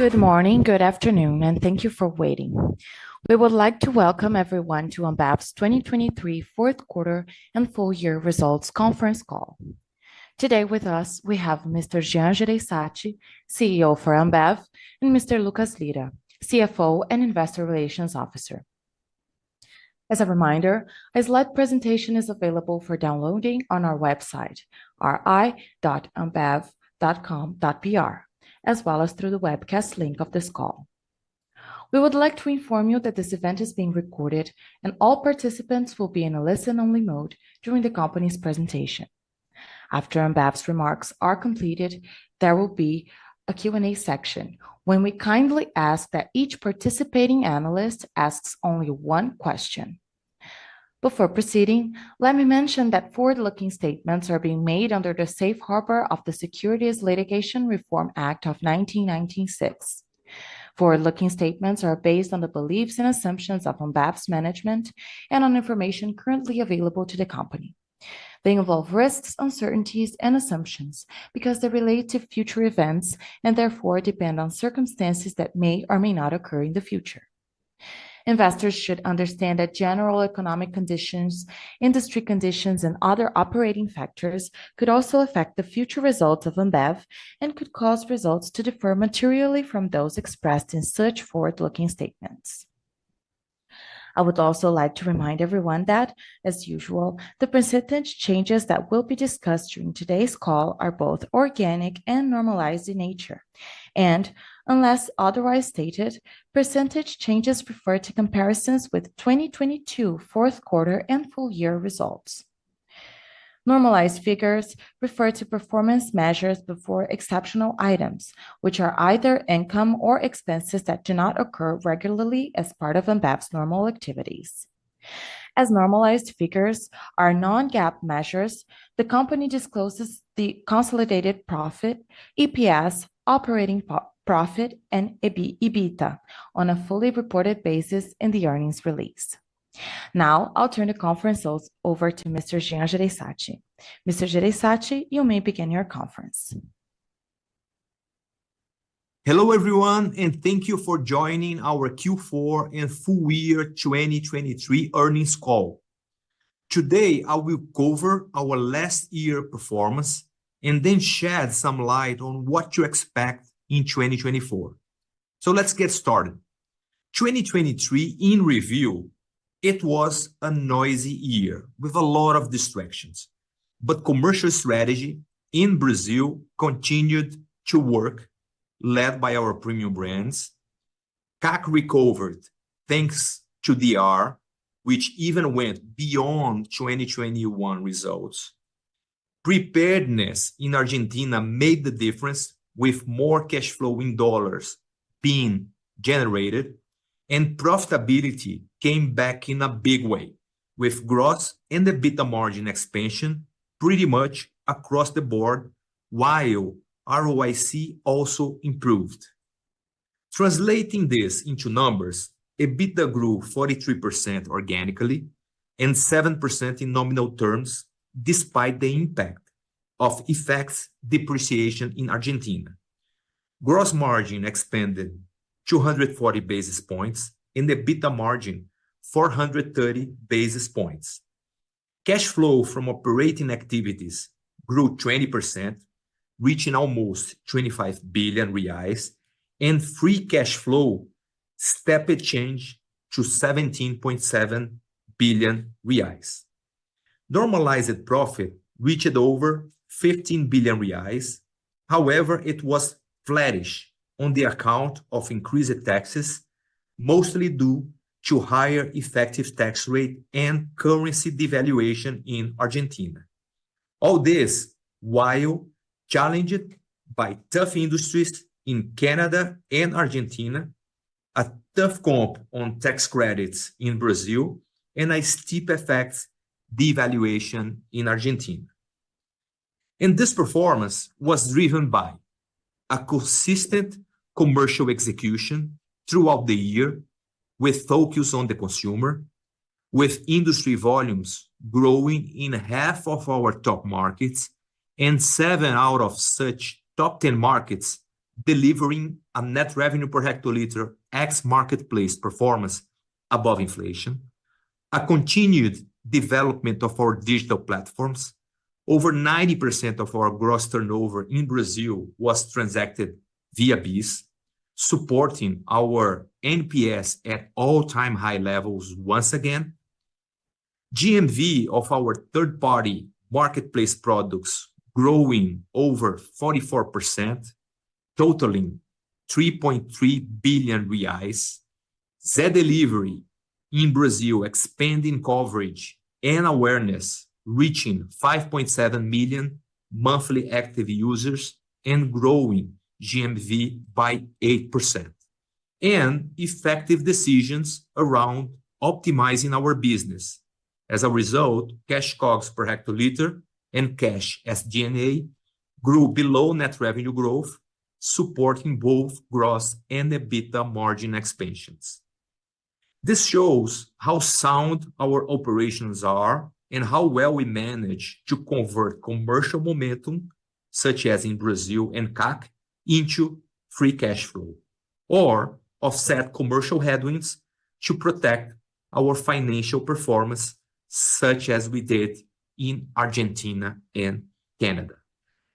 Good morning, good afternoon, and thank you for waiting. We would like to welcome everyone to Ambev's 2023 fourth quarter and full-year results conference call. Today with us we have Mr. Jean Jereissati, CEO for Ambev, and Mr. Lucas Lira, CFO and Investor Relations Officer. As a reminder, a slide presentation is available for downloading on our website, ri.ambev.com.br, as well as through the webcast link of this call. We would like to inform you that this event is being recorded and all participants will be in a listen-only mode during the company's presentation. After Ambev's remarks are completed, there will be a Q&A section when we kindly ask that each participating analyst asks only one question. Before proceeding, let me mention that forward-looking statements are being made under the Safe Harbor of the Securities Litigation Reform Act of 1996. Forward-looking statements are based on the beliefs and assumptions of Ambev's management and on information currently available to the company. They involve risks, uncertainties, and assumptions because they relate to future events and therefore depend on circumstances that may or may not occur in the future. Investors should understand that general economic conditions, industry conditions, and other operating factors could also affect the future results of Ambev and could cause results to differ materially from those expressed in such forward-looking statements. I would also like to remind everyone that, as usual, the percentage changes that will be discussed during today's call are both organic and normalized in nature, and, unless otherwise stated, percentage changes refer to comparisons with 2022 fourth quarter and full-year results. Normalized figures refer to performance measures before exceptional items, which are either income or expenses that do not occur regularly as part of Ambev's normal activities. As normalized figures are non-GAAP measures, the company discloses the Consolidated Profit (EPS), Operating Profit, and EBITDA on a fully reported basis in the earnings release. Now I'll turn the conference call over to Mr. Jean Jereissati. Mr. Jereissati, you may begin your conference. Hello everyone, and thank you for joining our Q4 and full-year 2023 earnings call. Today I will cover our last year performance and then shed some light on what to expect in 2024. So let's get started. 2023, in review, it was a noisy year with a lot of distractions, but commercial strategy in Brazil continued to work, led by our premium brands. CAC recovered thanks to DR, which even went beyond 2021 results. Preparedness in Argentina made the difference with more cash flow in dollars being generated, and profitability came back in a big way with gross and EBITDA margin expansion pretty much across the board while ROIC also improved. Translating this into numbers, EBITDA grew 43% organically and 7% in nominal terms despite the impact of FX depreciation in Argentina. Gross margin expanded 240 basis points and EBITDA margin 430 basis points. Cash flow from operating activities grew 20%, reaching almost 25 billion reais, and free cash flow stepped a change to 17.7 billion reais. Normalized profit reached over 15 billion reais; however, it was flattish on the account of increased taxes, mostly due to higher effective tax rate and currency devaluation in Argentina. All this while challenged by tough industries in Canada and Argentina, a tough comp on tax credits in Brazil, and a steep effect devaluation in Argentina. This performance was driven by a consistent commercial execution throughout the year with focus on the consumer, with industry volumes growing in half of our top markets and seven out of such top 10 markets delivering a net revenue per hectoliter ex-marketplace performance above inflation. A continued development of our digital platforms. Over 90% of our gross turnover in Brazil was transacted via BEES, supporting our NPS at all-time high levels once again. GMV of our third-party marketplace products growing over 44%, totaling BRL 3.3 billion. Zé Delivery in Brazil expanding coverage and awareness, reaching 5.7 million monthly active users and growing GMV by 8%. Effective decisions around optimizing our business. As a result, cash COGS per hectoliter and cash SG&A grew below net revenue growth, supporting both gross and EBITDA margin expansions. This shows how sound our operations are and how well we manage to convert commercial momentum, such as in Brazil and CAC, into free cash flow or offset commercial headwinds to protect our financial performance such as we did in Argentina and Canada.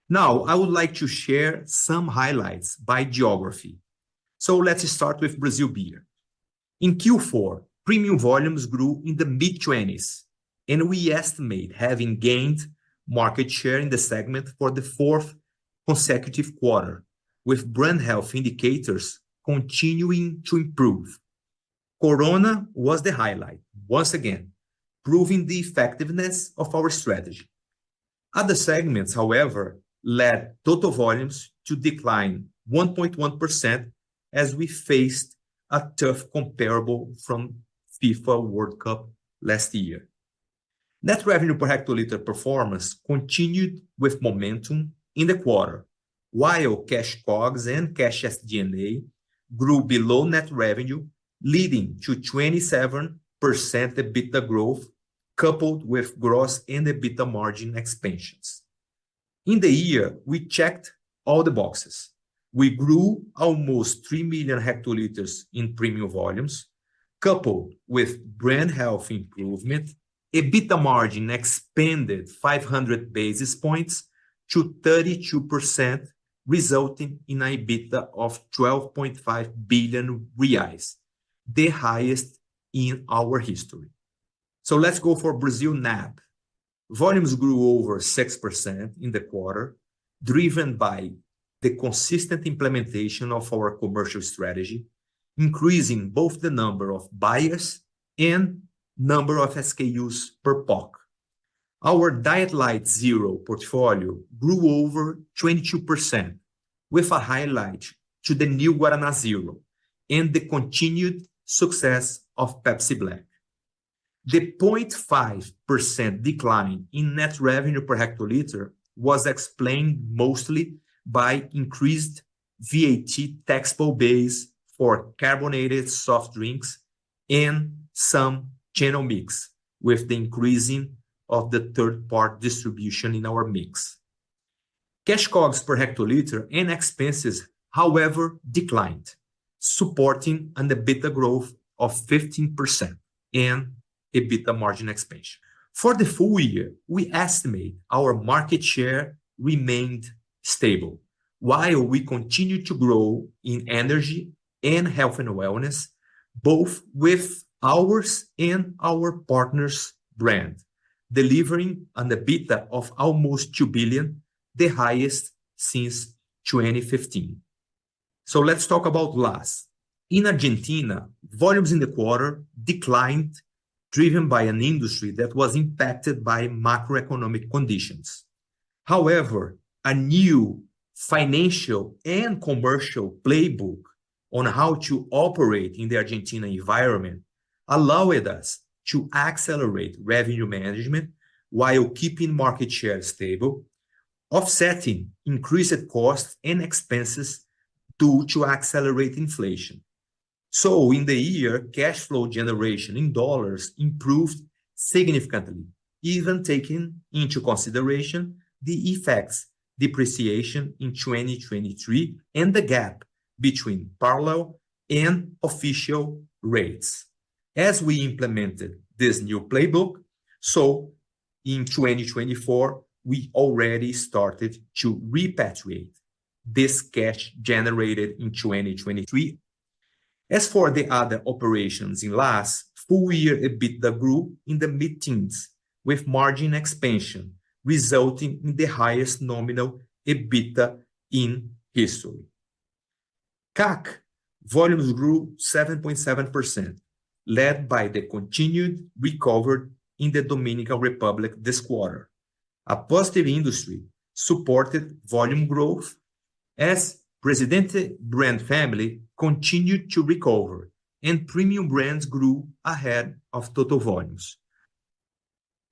Now I would like to share some highlights by geography. Let's start with Brazil beer. In Q4, premium volumes grew in the mid-twenties, and we estimate having gained market share in the segment for the fourth consecutive quarter, with brand health indicators continuing to improve. Corona was the highlight once again, proving the effectiveness of our strategy. Other segments, however, led total volumes to decline 1.1% as we faced a tough comparable from FIFA World Cup last year. Net revenue per hectoliter performance continued with momentum in the quarter while cash COGS and cash SG&A grew below net revenue, leading to 27% EBITDA growth coupled with gross and EBITDA margin expansions. In the year, we checked all the boxes. We grew almost 3 million hectoliters in premium volumes coupled with brand health improvement. EBITDA margin expanded 500 basis points to 32%, resulting in an EBITDA of 12.5 billion reais, the highest in our history. So let's go for Brazil NAB. Volumes grew over 6% in the quarter, driven by the consistent implementation of our commercial strategy, increasing both the number of buyers and number of SKUs per POC. Our Diet Light Zero portfolio grew over 22%, with a highlight to the New Guaraná Zero and the continued success of Pepsi Black. The 0.5% decline in net revenue per hectoliter was explained mostly by increased VAT taxable base for carbonated soft drinks and some channel mix, with the increasing of the third-party distribution in our mix. Cash COGS per hectoliter and expenses, however, declined, supporting an EBITDA growth of 15% and EBITDA margin expansion. For the full year, we estimate our market share remained stable while we continue to grow in energy and health and wellness, both with ours and our partner's brand, delivering an EBITDA of almost $2 billion, the highest since 2015. So let's talk about loss. In Argentina, volumes in the quarter declined, driven by an industry that was impacted by macroeconomic conditions. However, a new financial and commercial playbook on how to operate in the Argentina environment allowed us to accelerate revenue management while keeping market share stable, offsetting increased costs and expenses due to accelerating inflation. So in the year, cash flow generation in US dollars improved significantly, even taking into consideration the effects depreciation in 2023 and the gap between parallel and official rates. As we implemented this new playbook, so in 2024, we already started to repatriate this cash generated in 2023. As for the other operations in last full year, EBITDA grew in the mid-teens with margin expansion, resulting in the highest nominal EBITDA in history. CAC volumes grew 7.7%, led by the continued recovery in the Dominican Republic this quarter. A positive industry supported volume growth as Presidente brand family continued to recover and premium brands grew ahead of total volumes.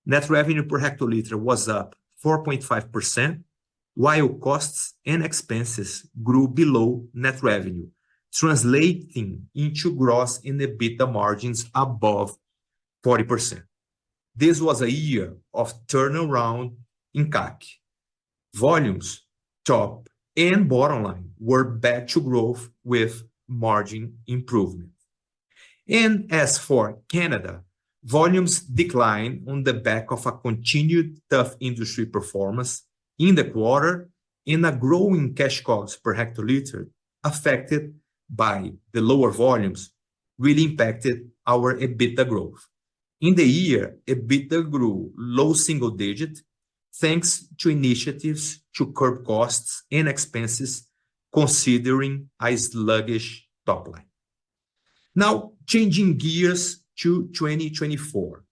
Net revenue per hectoliter was up 4.5% while costs and expenses grew below net revenue, translating into gross and EBITDA margins above 40%. This was a year of turnaround in CAC. Volumes, top and bottom line, were back to growth with margin improvement. As for Canada, volumes declined on the back of a continued tough industry performance in the quarter, and a growing cash COGS per hectoliter affected by the lower volumes really impacted our EBITDA growth. In the year, EBITDA grew low single digit thanks to initiatives to curb costs and expenses considering a sluggish top line. Now changing gears to 2024.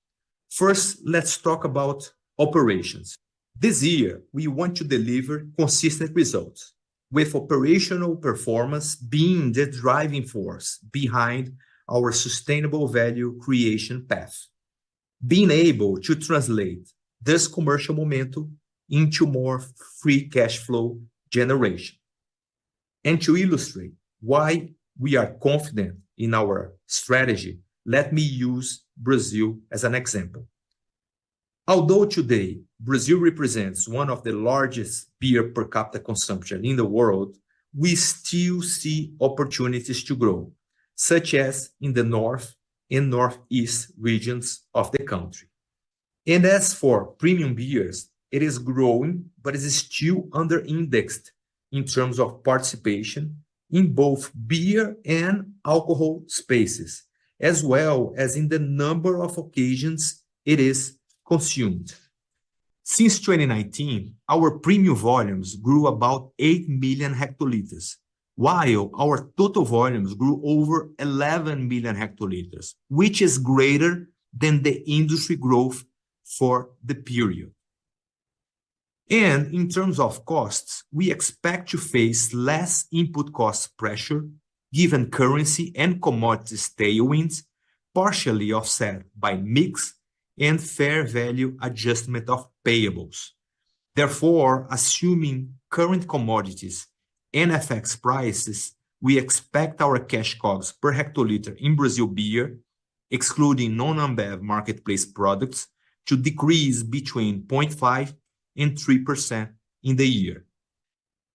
First, let's talk about operations. This year, we want to deliver consistent results, with operational performance being the driving force behind our sustainable value creation path, being able to translate this commercial momentum into more free cash flow generation. To illustrate why we are confident in our strategy, let me use Brazil as an example. Although today Brazil represents one of the largest beer per capita consumptions in the world, we still see opportunities to grow, such as in the North and Northeast regions of the country. As for premium beers, it is growing, but it is still under-indexed in terms of participation in both beer and alcohol spaces, as well as in the number of occasions it is consumed. Since 2019, our premium volumes grew about 8 million hectoliters, while our total volumes grew over 11 million hectoliters, which is greater than the industry growth for the period. In terms of costs, we expect to face less input cost pressure given currency and commodities tailwinds, partially offset by mix and fair value adjustment of payables. Therefore, assuming current commodities and FX prices, we expect our cash COGS per hectoliter in Brazil beer, excluding non-NAB marketplace products, to decrease between 0.5%-3% in the year.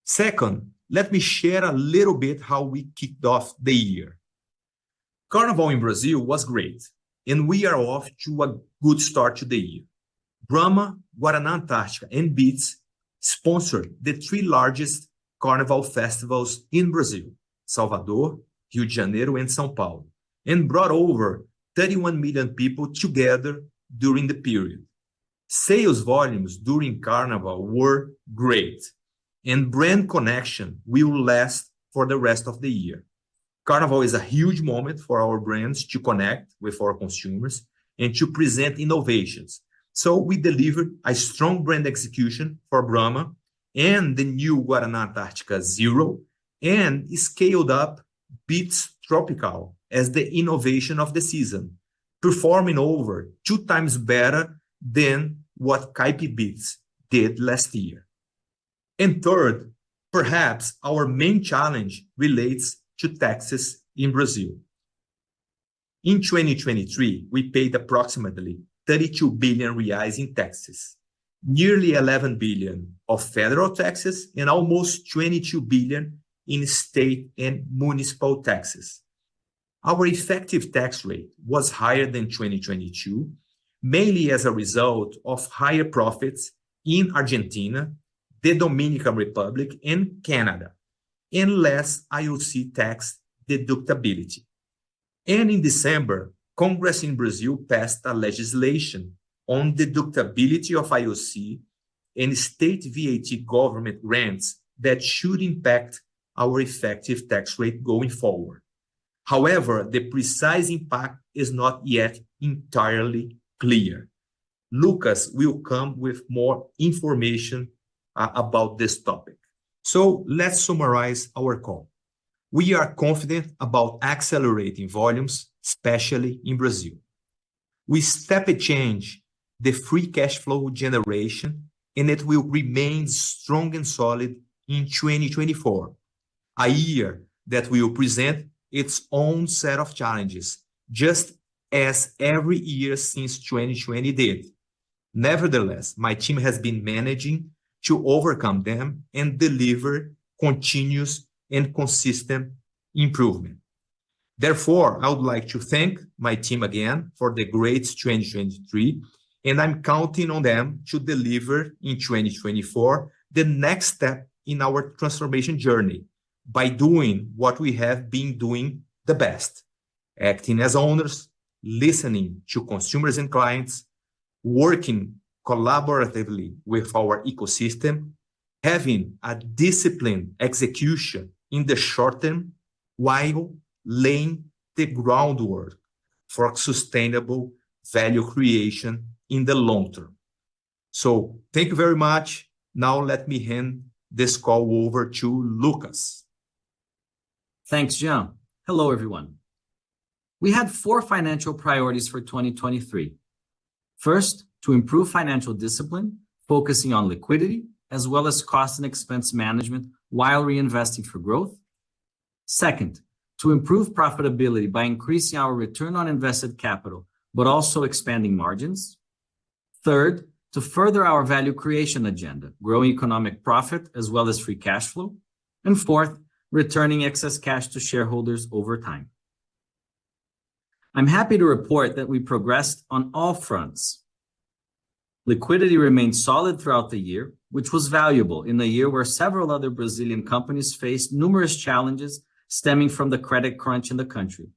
Second, let me share a little bit how we kicked off the year. Carnival in Brazil was great, and we are off to a good start to the year. Brahma, Guaraná Antarctica, and Beats sponsored the three largest carnival festivals in Brazil, Salvador, Rio de Janeiro, and São Paulo, and brought over 31 million people together during the period. Sales volumes during carnival were great, and brand connection will last for the rest of the year. Carnival is a huge moment for our brands to connect with our consumers and to present innovations, so we delivered a strong brand execution for Brahma and the new Guaraná Antarctica Zero and scaled up Beats Tropical as the innovation of the season, performing over 2 times better than what Caipirinha Beats did last year. Third, perhaps our main challenge relates to taxes in Brazil. In 2023, we paid approximately 32 billion reais in taxes, nearly 11 billion of federal taxes, and almost 22 billion in state and municipal taxes. Our effective tax rate was higher than 2022, mainly as a result of higher profits in Argentina, the Dominican Republic, and Canada, less IOC tax deductibility. In December, Congress in Brazil passed a legislation on deductibility of IOC and state VAT government grants that should impact our effective tax rate going forward. However, the precise impact is not yet entirely clear. Lucas will come with more information about this topic. So let's summarize our call. We are confident about accelerating volumes, especially in Brazil. We see a change in the free cash flow generation, and it will remain strong and solid in 2024, a year that will present its own set of challenges, just as every year since 2020 did. Nevertheless, my team has been managing to overcome them and deliver continuous and consistent improvement. Therefore, I would like to thank my team again for the great 2023, and I'm counting on them to deliver in 2024 the next step in our transformation journey by doing what we have been doing the best: acting as owners, listening to consumers and clients, working collaboratively with our ecosystem, having a disciplined execution in the short term, while laying the groundwork for sustainable value creation in the long term. So thank you very much. Now let me hand this call over to Lucas. Thanks, Jean. Hello, everyone. We had four financial priorities for 2023. First, to improve financial discipline, focusing on liquidity as well as cost and expense management while reinvesting for growth. Second, to improve profitability by increasing our return on invested capital, but also expanding margins. Third, to further our value creation agenda, growing economic profit as well as free cash flow. Fourth, returning excess cash to shareholders over time. I'm happy to report that we progressed on all fronts. Liquidity remained solid throughout the year, which was valuable in a year where several other Brazilian companies faced numerous challenges stemming from the credit crunch in the country.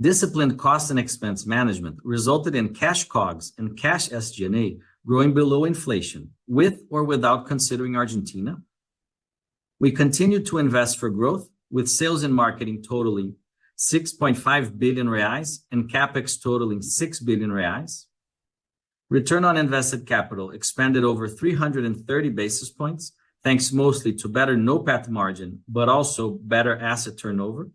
Disciplined cost and expense management resulted in cash COGS and cash SG&A growing below inflation, with or without considering Argentina. We continued to invest for growth, with sales and marketing totaling 6.5 billion reais and CapEx totaling 6 billion reais. Return on invested capital expanded over 330 basis points, thanks mostly to better NOPAT margin, but also better asset turnover,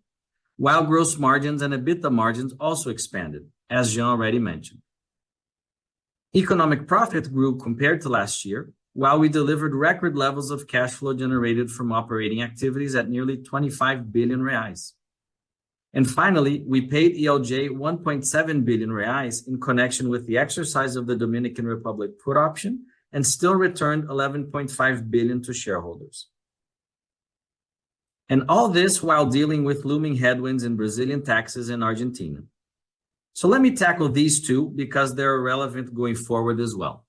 while gross margins and EBITDA margins also expanded, as Jean already mentioned. Economic profit grew compared to last year, while we delivered record levels of cash flow generated from operating activities at nearly 25 billion reais. And finally, we paid ELJ 1.7 billion reais in connection with the exercise of the Dominican Republic put option and still returned 11.5 billion to shareholders. All this while dealing with looming headwinds in Brazilian taxes and Argentina. So let me tackle these two because they're relevant going forward as well.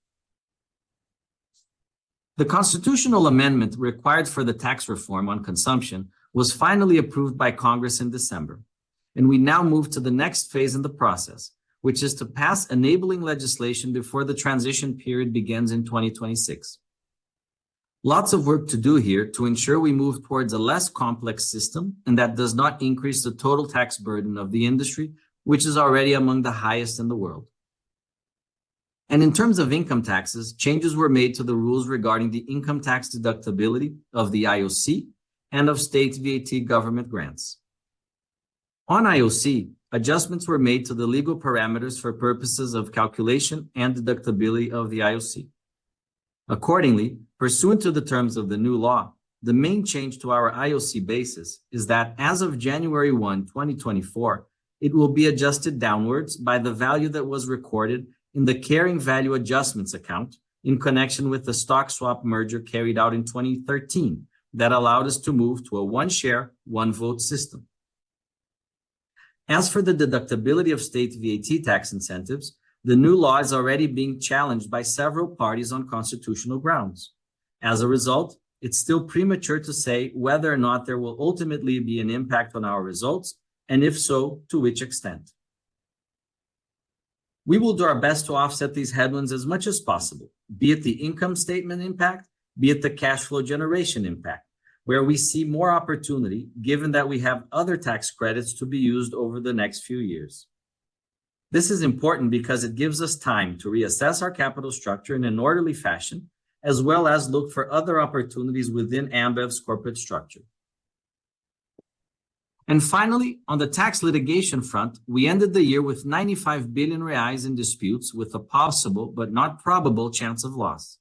The constitutional amendment required for the tax reform on consumption was finally approved by Congress in December. We now move to the next phase in the process, which is to pass enabling legislation before the transition period begins in 2026. Lots of work to do here to ensure we move towards a less complex system and that does not increase the total tax burden of the industry, which is already among the highest in the world. In terms of income taxes, changes were made to the rules regarding the income tax deductibility of the IOC and of state VAT government grants. On IOC, adjustments were made to the legal parameters for purposes of calculation and deductibility of the IOC. Accordingly, pursuant to the terms of the new law, the main change to our IOC basis is that as of January 1, 2024, it will be adjusted downwards by the value that was recorded in the carrying value adjustments account in connection with the stock swap merger carried out in 2013 that allowed us to move to a one-share, one-vote system. As for the deductibility of state VAT tax incentives, the new law is already being challenged by several parties on constitutional grounds. As a result, it's still premature to say whether or not there will ultimately be an impact on our results, and if so, to which extent. We will do our best to offset these headwinds as much as possible, be it the income statement impact, be it the cash flow generation impact, where we see more opportunity given that we have other tax credits to be used over the next few years. This is important because it gives us time to reassess our capital structure in an orderly fashion, as well as look for other opportunities within Ambev's corporate structure. And finally, on the tax litigation front, we ended the year with 95 billion reais in disputes with a possible but not probable chance of loss.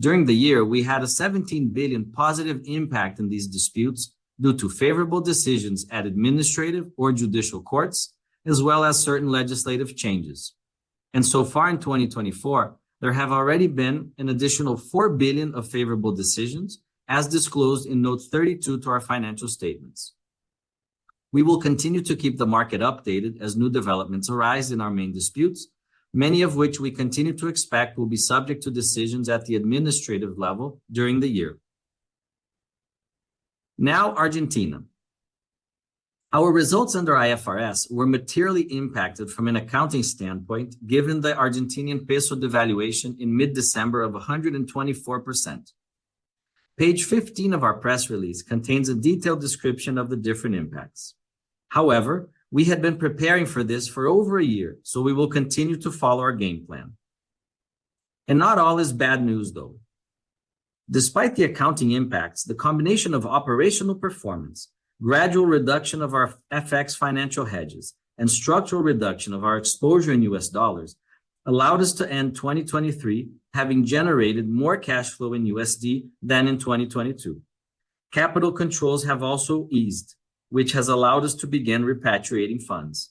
During the year, we had a 17 billion positive impact in these disputes due to favorable decisions at administrative or judicial courts, as well as certain legislative changes. And so far in 2024, there have already been an additional 4 billion of favorable decisions, as disclosed in Note 32 to our financial statements. We will continue to keep the market updated as new developments arise in our main disputes, many of which we continue to expect will be subject to decisions at the administrative level during the year. Now Argentina. Our results under IFRS were materially impacted from an accounting standpoint given the Argentinian peso devaluation in mid-December of 124%. Page 15 of our press release contains a detailed description of the different impacts. However, we had been preparing for this for over a year, so we will continue to follow our game plan. Not all is bad news, though. Despite the accounting impacts, the combination of operational performance, gradual reduction of our effective financial hedges, and structural reduction of our exposure in U.S. dollars allowed us to end 2023 having generated more cash flow in USD than in 2022. Capital controls have also eased, which has allowed us to begin repatriating funds.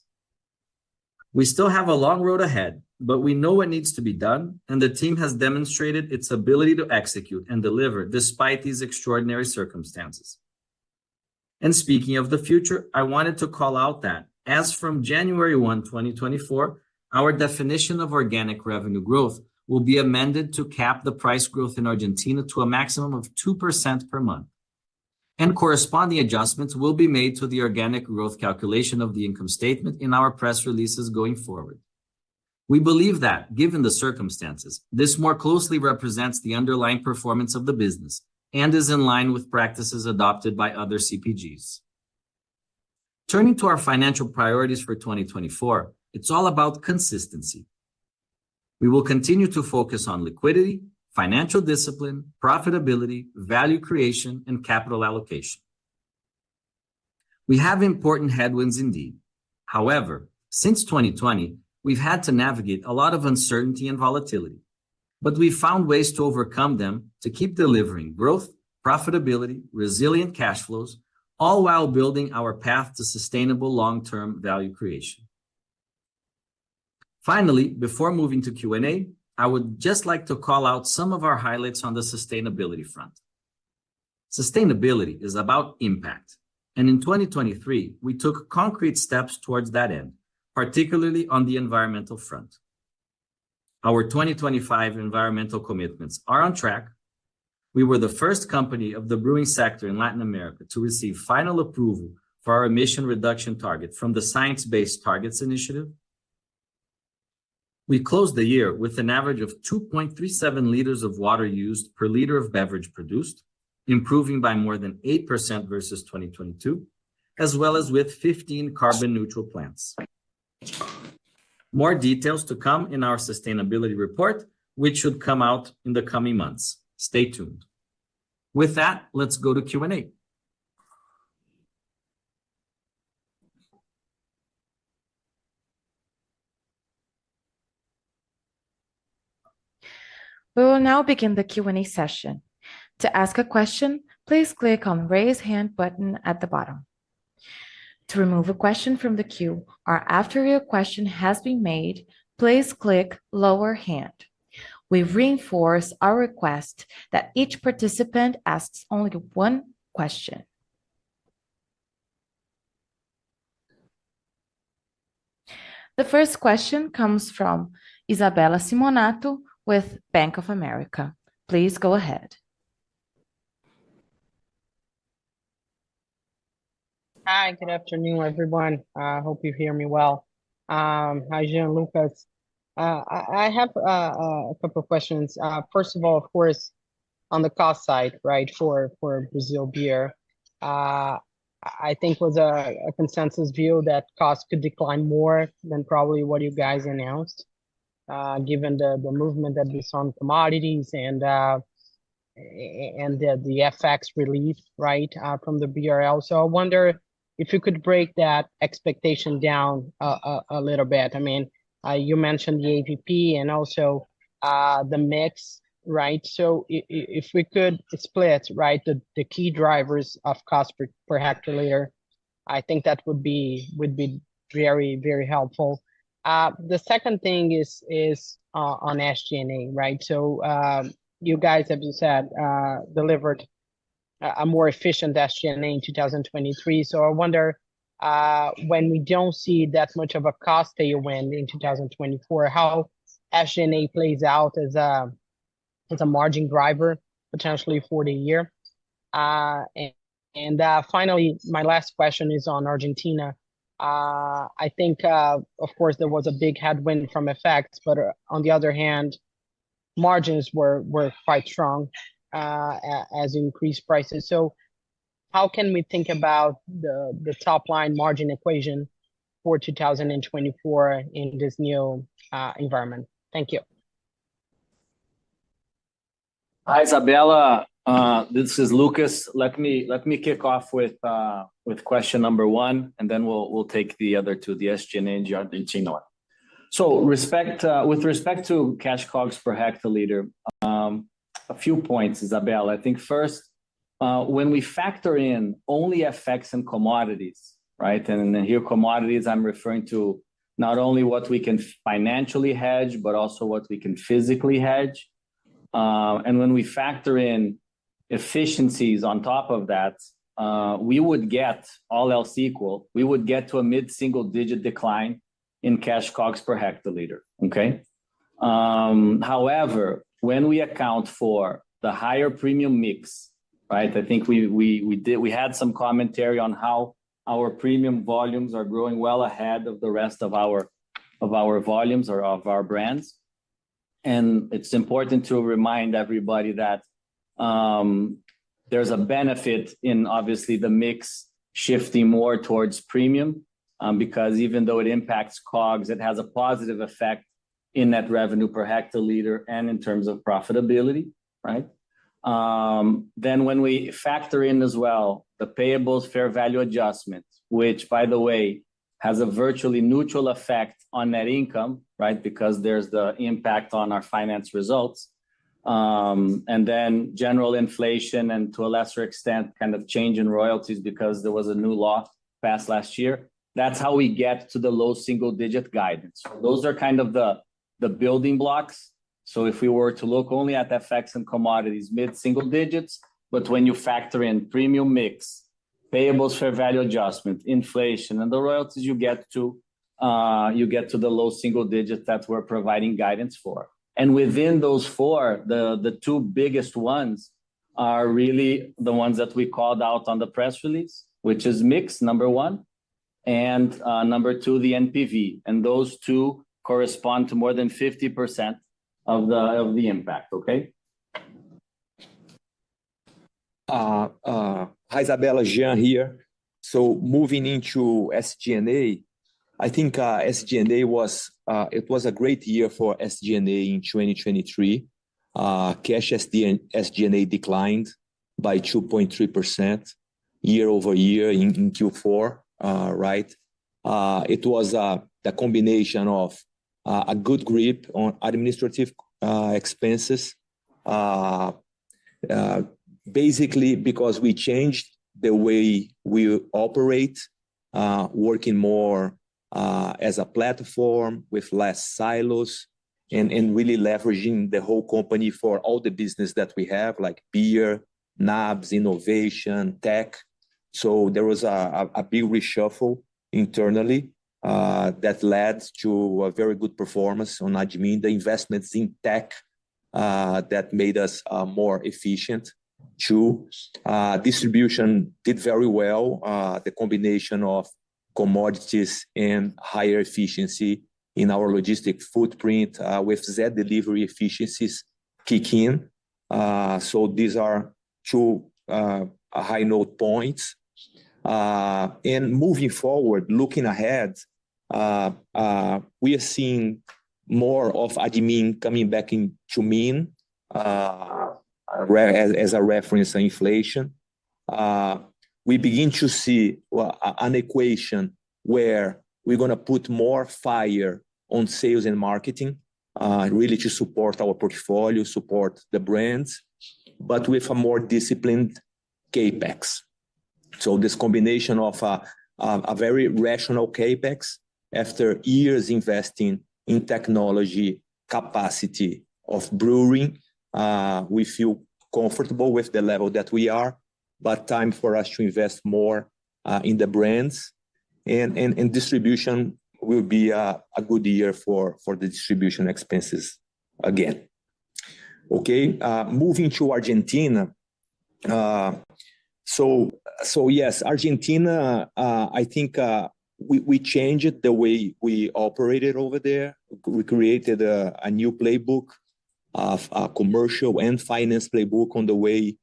We still have a long road ahead, but we know what needs to be done, and the team has demonstrated its ability to execute and deliver despite these extraordinary circumstances. And speaking of the future, I wanted to call out that as from January 1, 2024, our definition of organic revenue growth will be amended to cap the price growth in Argentina to a maximum of 2% per month. Corresponding adjustments will be made to the organic growth calculation of the income statement in our press releases going forward. We believe that, given the circumstances, this more closely represents the underlying performance of the business and is in line with practices adopted by other CPGs. Turning to our financial priorities for 2024, it's all about consistency. We will continue to focus on liquidity, financial discipline, profitability, value creation, and capital allocation. We have important headwinds indeed. However, since 2020, we've had to navigate a lot of uncertainty and volatility. But we've found ways to overcome them to keep delivering growth, profitability, resilient cash flows, all while building our path to sustainable long-term value creation. Finally, before moving to Q&A, I would just like to call out some of our highlights on the sustainability front. Sustainability is about impact. In 2023, we took concrete steps towards that end, particularly on the environmental front. Our 2025 environmental commitments are on track. We were the first company of the brewing sector in Latin America to receive final approval for our emission reduction target from the Science Based Targets initiative. We closed the year with an average of 2.37 liters of water used per liter of beverage produced, improving by more than 8% versus 2022, as well as with 15 carbon neutral plants. More details to come in our sustainability report, which should come out in the coming months. Stay tuned. With that, let's go to Q&A. We will now begin the Q&A session. To ask a question, please click on the raise hand button at the bottom. To remove a question from the queue, or after a question has been made, please click the lower hand. We reinforce our request that each participant asks only one question. The first question comes from Isabella Simonato with Bank of America. Please go ahead. Hi, good afternoon, everyone. I hope you hear me well. Hi, Jean, Lucas. I have a couple of questions. First of all, of course, on the cost side, right, for Brazil beer. I think it was a consensus view that cost could decline more than probably what you guys announced, given the movement that we saw in commodities and the FX relief, right, from the BRL. So I wonder if you could break that expectation down a little bit. I mean, you mentioned the AVP and also the mix, right? So if we could split, right, the key drivers of cost per hectoliter, I think that would be very, very helpful. The second thing is on SG&A, right? So you guys, as you said, delivered a more efficient SG&A in 2023. So I wonder when we don't see that much of a cost tailwind in 2024, how SG&A plays out as a as a margin driver, potentially for the year. And finally, my last question is on Argentina. I think of course there was a big headwind from effects, but on the other hand, margins were were quite strong as increased prices. So how can we think about the the top-line margin equation for 2024 in this new environment? Thank you. Hi Isabella. This is Lucas. Let me let me kick off with with question number one, and then we'll we'll take the other two, the SG&A and Argentina. So respect with respect to cash COGS per hectoliter, a few points, Isabella. I think first, when we factor in only effects and commodities, right, and then here commodities, I'm referring to not only what we can financially hedge, but also what we can physically hedge. And when we factor in efficiencies on top of that, we would get all else equal, we would get to a mid-single digit decline in cash COGS per hectoliter, okay? However, when we account for the higher premium mix, right, I think we did, we had some commentary on how our premium volumes are growing well ahead of the rest of our volumes or of our brands. And it's important to remind everybody that there's a benefit in obviously the mix shifting more towards premium because even though it impacts COGS, it has a positive effect in that revenue per hectoliter and in terms of profitability, right? Then when we factor in as well the payables fair value adjustments, which by the way has a virtually neutral effect on net income, right, because there's the impact on our finance results. And then general inflation and to a lesser extent kind of change in royalties because there was a new law passed last year. That's how we get to the low single digit guidance. So those are kind of the building blocks. So if we were to look only at effects and commodities mid-single digits, but when you factor in premium mix, payables fair value adjustment, inflation, and the royalties, you get to the low single digit that we're providing guidance for. And within those four, the two biggest ones are really the ones that we called out on the press release, which is mix number one. And number two, the NPV. Those two correspond to more than 50% of the impact, okay? Hi, Jean. Jean here. So moving into SG&A, I think SG&A was a great year for SG&A in 2023. Cash SG&A declined by 2.3% year over year in Q4, right? It was the combination of a good grip on administrative expenses. Basically because we changed the way we operate, working more as a platform with less silos and really leveraging the whole company for all the business that we have, like beer, NABs, innovation, tech. So there was a big reshuffle internally that led to a very good performance on admin, the investments in tech that made us more efficient. Too, distribution did very well. The combination of commodities and higher efficiency in our logistic footprint with Zé Delivery efficiencies kick in. So these are two high note points. Moving forward, looking ahead, we are seeing more of admin coming back into mean as a reference on inflation. We begin to see an equation where we're going to put more fire on sales and marketing, really to support our portfolio, support the brands, but with a more disciplined CapEx. So this combination of a very rational CapEx after years investing in technology capacity of brewing, we feel comfortable with the level that we are, but time for us to invest more in the brands. And distribution will be a good year for the distribution expenses again. Okay? Moving to Argentina. So yes, Argentina, I think we changed the way we operated over there. We created a new playbook, a commercial and finance playbook on the way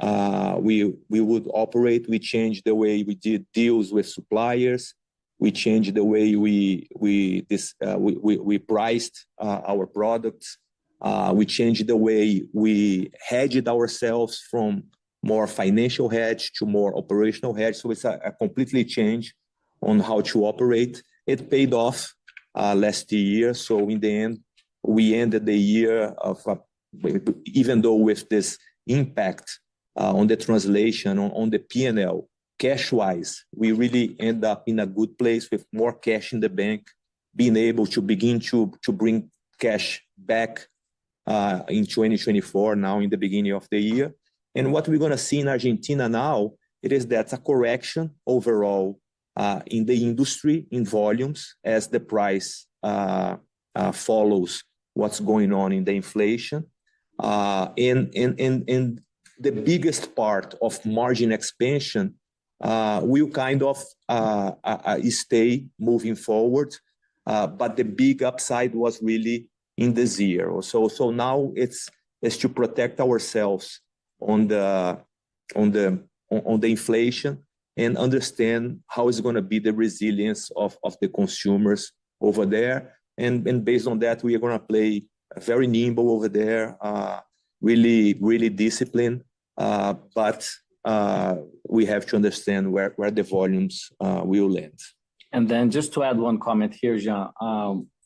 we would operate. We changed the way we did deals with suppliers. We changed the way we price our products. We changed the way we hedged ourselves from more financial hedge to more operational hedge. So it's a complete change on how to operate. It paid off last year. So in the end, we ended the year even though with this impact on the translation, on the P&L, cash-wise, we really end up in a good place with more cash in the bank, being able to begin to bring cash back in 2024 now in the beginning of the year. And what we're going to see in Argentina now, that's a correction overall in the industry, in volumes, as the price follows what's going on in the inflation. And the biggest part of margin expansion will kind of stay moving forward. But the big upside was really in this year. So now it's to protect ourselves on the inflation and understand how it's going to be the resilience of the consumers over there. And based on that, we are going to play very nimble over there, really disciplined. But we have to understand where the volumes will land. And then just to add one comment here, Jean,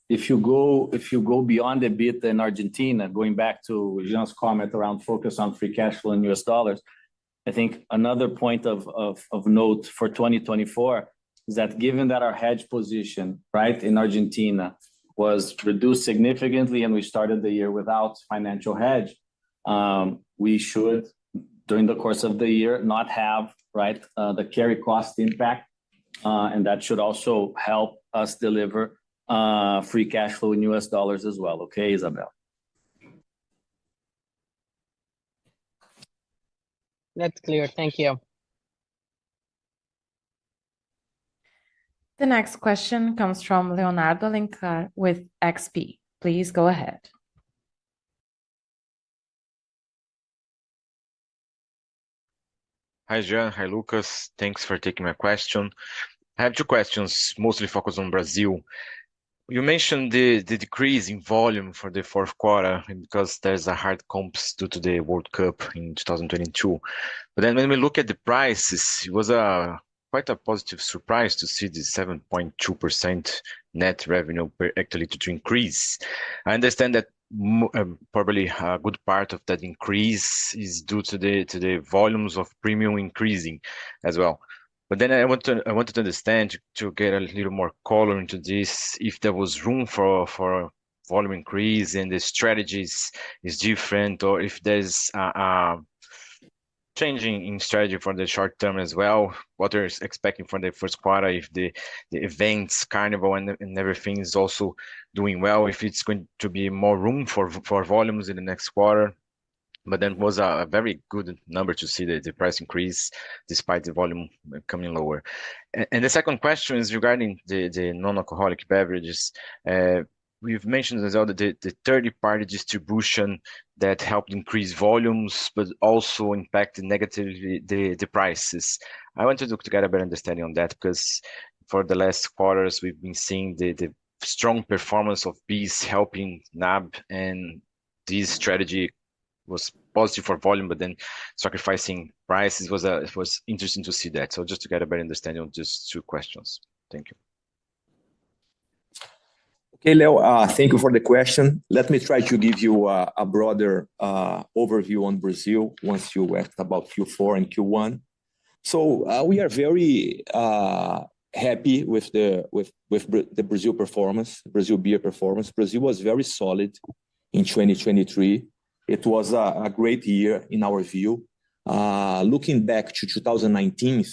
if you go beyond a bit in Argentina, going back to Jean's comment around focus on free cash flow in U.S. dollars, I think another point of note for 2024 is that given that our hedge position, right, in Argentina was reduced significantly and we started the year without financial hedge, we should during the course of the year not have, right, the carry cost impact. And that should also help us deliver free cash flow in U.S. dollars as well, okay, Isabella? That's clear. Thank you. The next question comes from Leonardo Alencar with XP. Please go ahead. Hi Jean, hi Lucas. Thanks for taking my question. I have two questions, mostly focused on Brazil. You mentioned the decrease in volume for the fourth quarter because there's a hard comps due to the World Cup in 2022. But then when we look at the prices, it was quite a positive surprise to see the 7.2% net revenue per hectoliter to increase. I understand that probably a good part of that increase is due to the volumes of premium increasing as well. But then I wanted to understand to get a little more color into this, if there was room for a volume increase and the strategies is different or if there's a changing in strategy for the short term as well, what we're expecting for the first quarter, if the events, carnival, and everything is also doing well, if it's going to be more room for volumes in the next quarter. But then it was a very good number to see the price increase despite the volume coming lower. And the second question is regarding the non-alcoholic beverages. We've mentioned as well that the third-party distribution that helped increase volumes, but also impacted negatively the prices. I wanted to get a better understanding on that because for the last quarters, we've been seeing the strong performance of BEES helping NAB and this strategy was positive for volume, but then sacrificing prices it was interesting to see that. So just to get a better understanding on just two questions. Thank you. Okay, Leonardo, thank you for the question. Let me try to give you a broader overview on Brazil once you asked about Q4 and Q1. So we are very happy with the Brazil performance, Brazil beer performance. Brazil was very solid in 2023. It was a great year in our view. Looking back to 2019,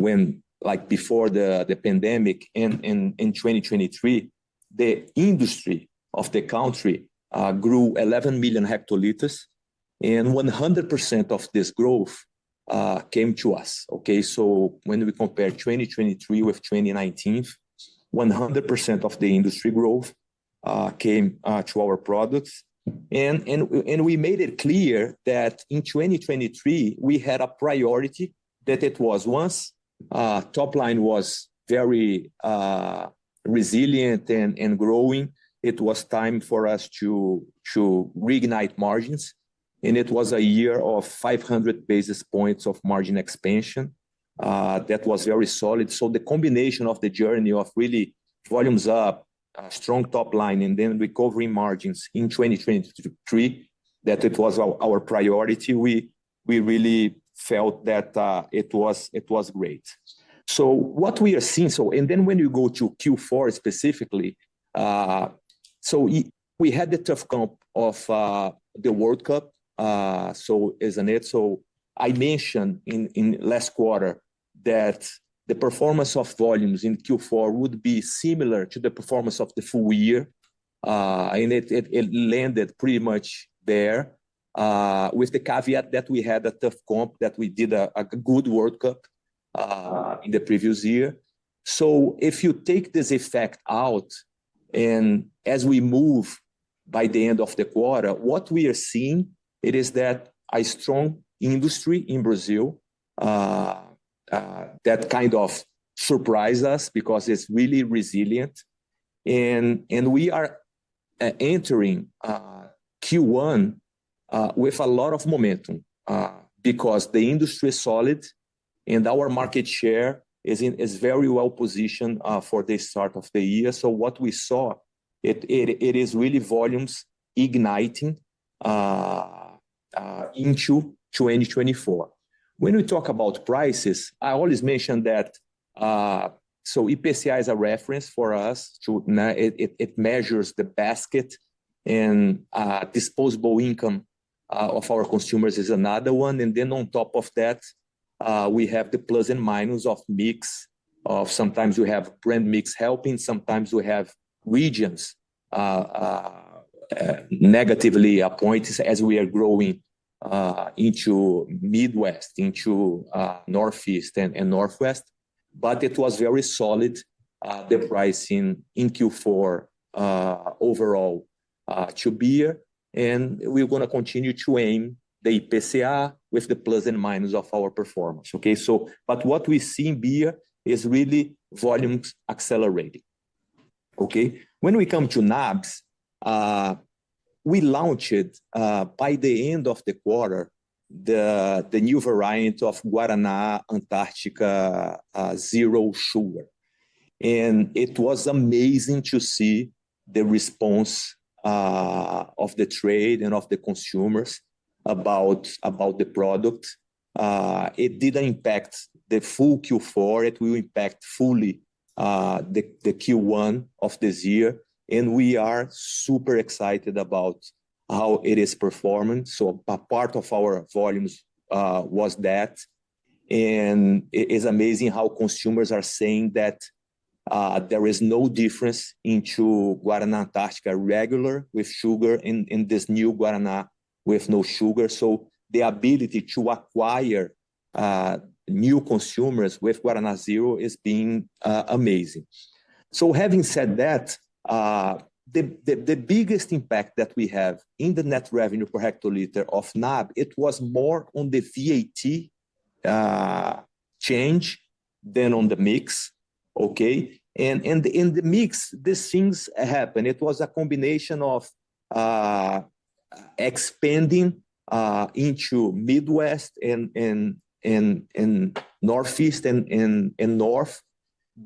when like before the pandemic and 2023, the industry of the country grew 11 million hectoliters and 100% of this growth came to us, okay? So when we compare 2023 with 2019, 100% of the industry growth came to our products. And we made it clear that in 2023, we had a priority that it was once top-line was very resilient and growing. It was time for us to reignite margins. And it was a year of 500 basis points of margin expansion. That was very solid. So the combination of the journey of really volumes up, a strong top-line, and then recovering margins in 2023, that it was our priority, we really felt that it was great. So what we are seeing, and then when you go to Q4 specifically, so we had the tough comp of the World Cup. So as I noted, I mentioned in last quarter that the performance of volumes in Q4 would be similar to the performance of the full year. And it landed pretty much there with the caveat that we had a tough comp, that we did a good World Cup in the previous year. So if you take this effect out and as we move by the end of the quarter, what we are seeing, it is that a strong industry in Brazil that kind of surprised us because it's really resilient. And we are entering Q1 with a lot of momentum because the industry is solid and our market share is very well positioned for the start of the year. So what we saw, it is really volumes igniting into 2024. When we talk about prices, I always mention that so EPCI is a reference for us to now it measures the basket and disposable income of our consumers is another one. Then on top of that, we have the plus and minus of mix. Sometimes we have brand mix helping. Sometimes we have regions negatively impacted as we are growing into the Midwest, into the Northeast and Northwest. But it was very solid, the pricing in Q4 overall to beer. And we're going to continue to aim the EPCI with the plus and minus of our performance, okay? But what we see in beer is really volumes accelerating, okay? When we come to NABs, we launched by the end of the quarter the new variant of Guaraná Antarctica Zero Sugar. And it was amazing to see the response of the trade and of the consumers about the product. It didn't impact the full Q4. It will impact fully the Q1 of this year. And we are super excited about how it is performing. So a part of our volumes was that. And it is amazing how consumers are saying that there is no difference in the Guaraná Antarctica regular with sugar and this new Guaraná with no sugar. So the ability to acquire new consumers with Guaraná Zero is being amazing. So having said that, the biggest impact that we have in the net revenue per hectoliter of NAB, it was more on the VAT change than on the mix, okay? And in the mix, these things happen. It was a combination of expanding into Midwest and Northeast and North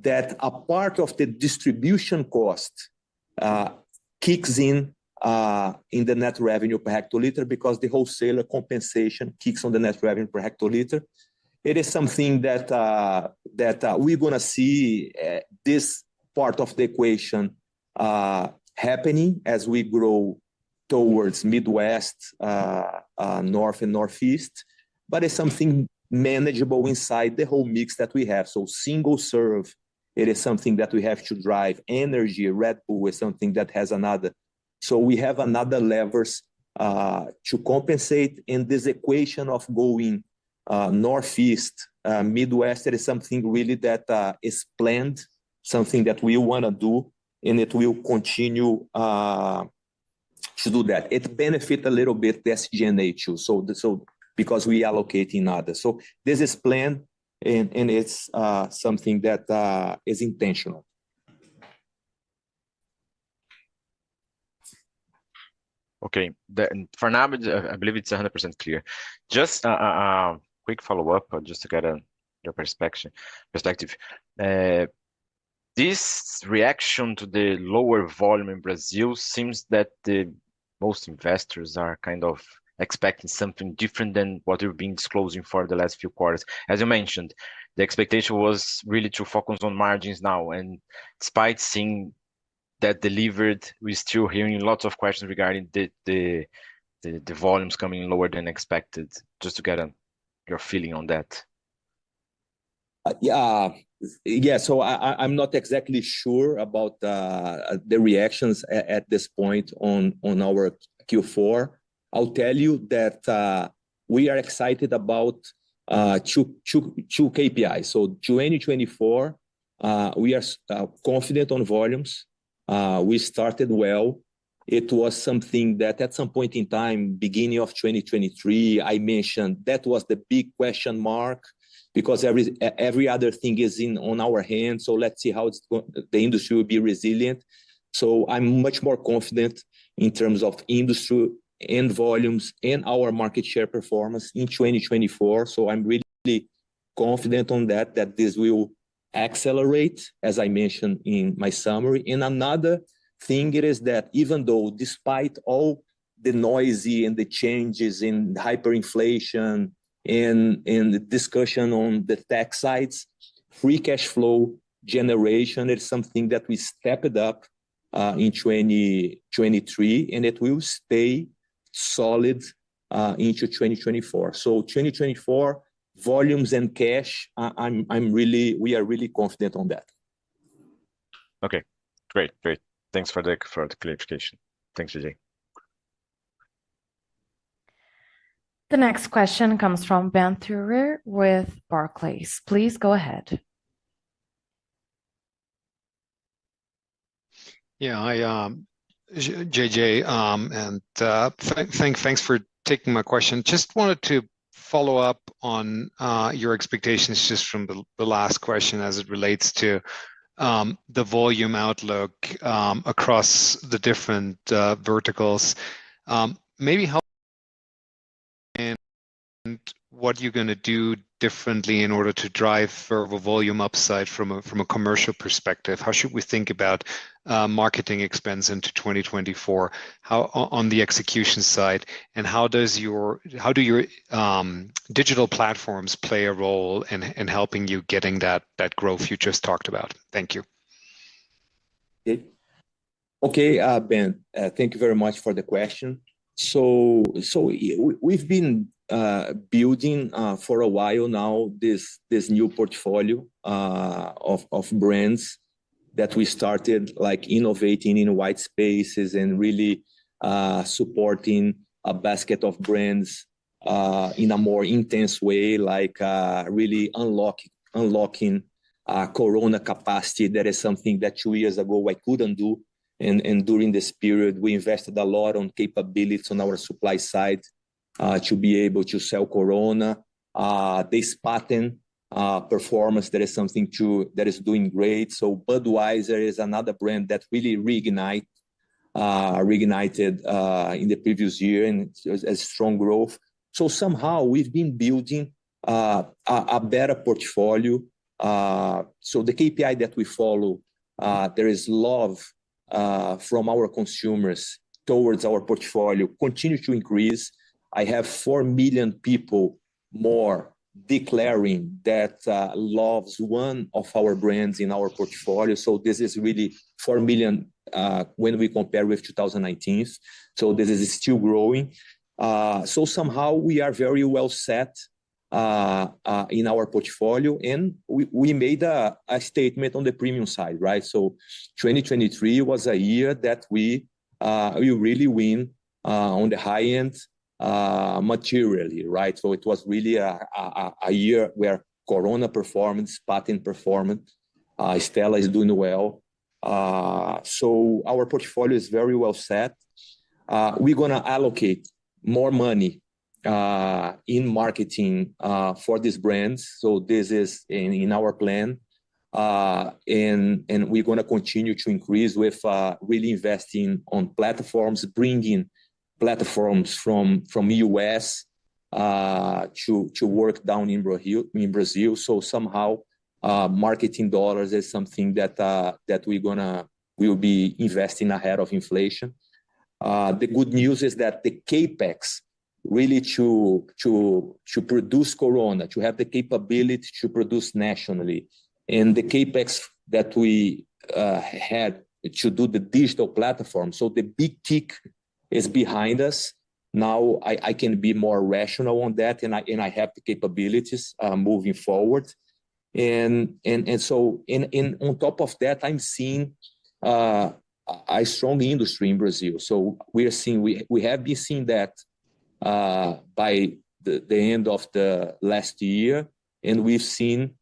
that a part of the distribution cost kicks in in the net revenue per hectoliter because the wholesaler compensation kicks on the net revenue per hectoliter. It is something that we're going to see this part of the equation happening as we grow towards Midwest, North, and Northeast. But it's something manageable inside the whole mix that we have. So single serve, it is something that we have to drive. Energy, Red Bull is something that has another, so we have another levers to compensate. And this equation of going Northeast, Midwest, it is something really that is planned, something that we want to do. And it will continue to do that. It benefits a little bit SG&A too. So. Because we allocate in others. So this is planned and it's something that is intentional. Okay. Then for now, I believe it's 100% clear. Just a quick follow-up just to get your perspective. This reaction to the lower volume in Brazil seems that the most investors are kind of expecting something different than what you've been disclosing for the last few quarters. As you mentioned, the expectation was really to focus on margins now. Despite seeing that delivered, we're still hearing lots of questions regarding the volumes coming lower than expected. Just to get your feeling on that. Yeah. Yeah. So I'm not exactly sure about the reactions at this point on our Q4. I'll tell you that we are excited about two KPIs. So 2024, we are confident on volumes. We started well. It was something that at some point in time, beginning of 2023, I mentioned that was the big question mark because every other thing is in our hands. So let's see how it's going. The industry will be resilient. So I'm much more confident in terms of industry and volumes and our market share performance in 2024. So I'm really confident on that, that this will accelerate, as I mentioned in my summary. And another thing is that even though despite all the noise and the changes in hyperinflation and the discussion on the tax sides, free cash flow generation, it's something that we stepped up in 2023 and it will stay solid into 2024. So 2024, volumes and cash, I'm really we are really confident on that. Okay. Great. Great. Thanks, Jean, for the clarification. Thanks, Jean. The next question comes from Benjamin Theurer with Barclays. Please go ahead. Yeah. Hi Jean, and thanks for taking my question. Just wanted to follow up on your expectations just from the last question as it relates to the volume outlook across the different verticals. Maybe help me explain what you're going to do differently in order to drive further volume upside from a commercial perspective. How should we think about marketing expense into 2024? How on the execution side, and how do your digital platforms play a role in helping you get that growth you just talked about? Thank you. Okay. Okay, Benjamin, thank you very much for the question. So we've been building for a while now this new portfolio of brands that we started like innovating in white spaces and really supporting a basket of brands in a more intense way, like really unlocking Corona capacity. That is something that two years ago I couldn't do. And during this period, we invested a lot on capabilities on our supply side to be able to sell Corona. This premium performance, that is something that is doing great. So Budweiser is another brand that really reignited in the previous year and has strong growth. So somehow we've been building a better portfolio. So the KPI that we follow, there is love from our consumers towards our portfolio, continue to increase. I have four million people more declaring that loves one of our brands in our portfolio. So this is really four million when we compare with 2019. So this is still growing. So somehow we are very well set in our portfolio. And we made a statement on the premium side, right? So 2023 was a year that we really win on the high-end materially, right? So it was really a year where Corona performance, premium performance, Stella is doing well. So our portfolio is very well set. We're going to allocate more money in marketing for these brands. So this is in our plan. And we're going to continue to increase with really investing on platforms, bringing platforms from the U.S. to work down in Brazil. So somehow marketing dollars is something that we're going to we'll be investing ahead of inflation. The good news is that the CapEx really to produce Corona, to have the capability to produce nationally. And the CapEx that we had to do the digital platform. So the big kick is behind us. Now I can be more rational on that and I have the capabilities moving forward. And so on top of that, I'm seeing a strong industry in Brazil. So we have been seeing that by the end of the last year. And we've seen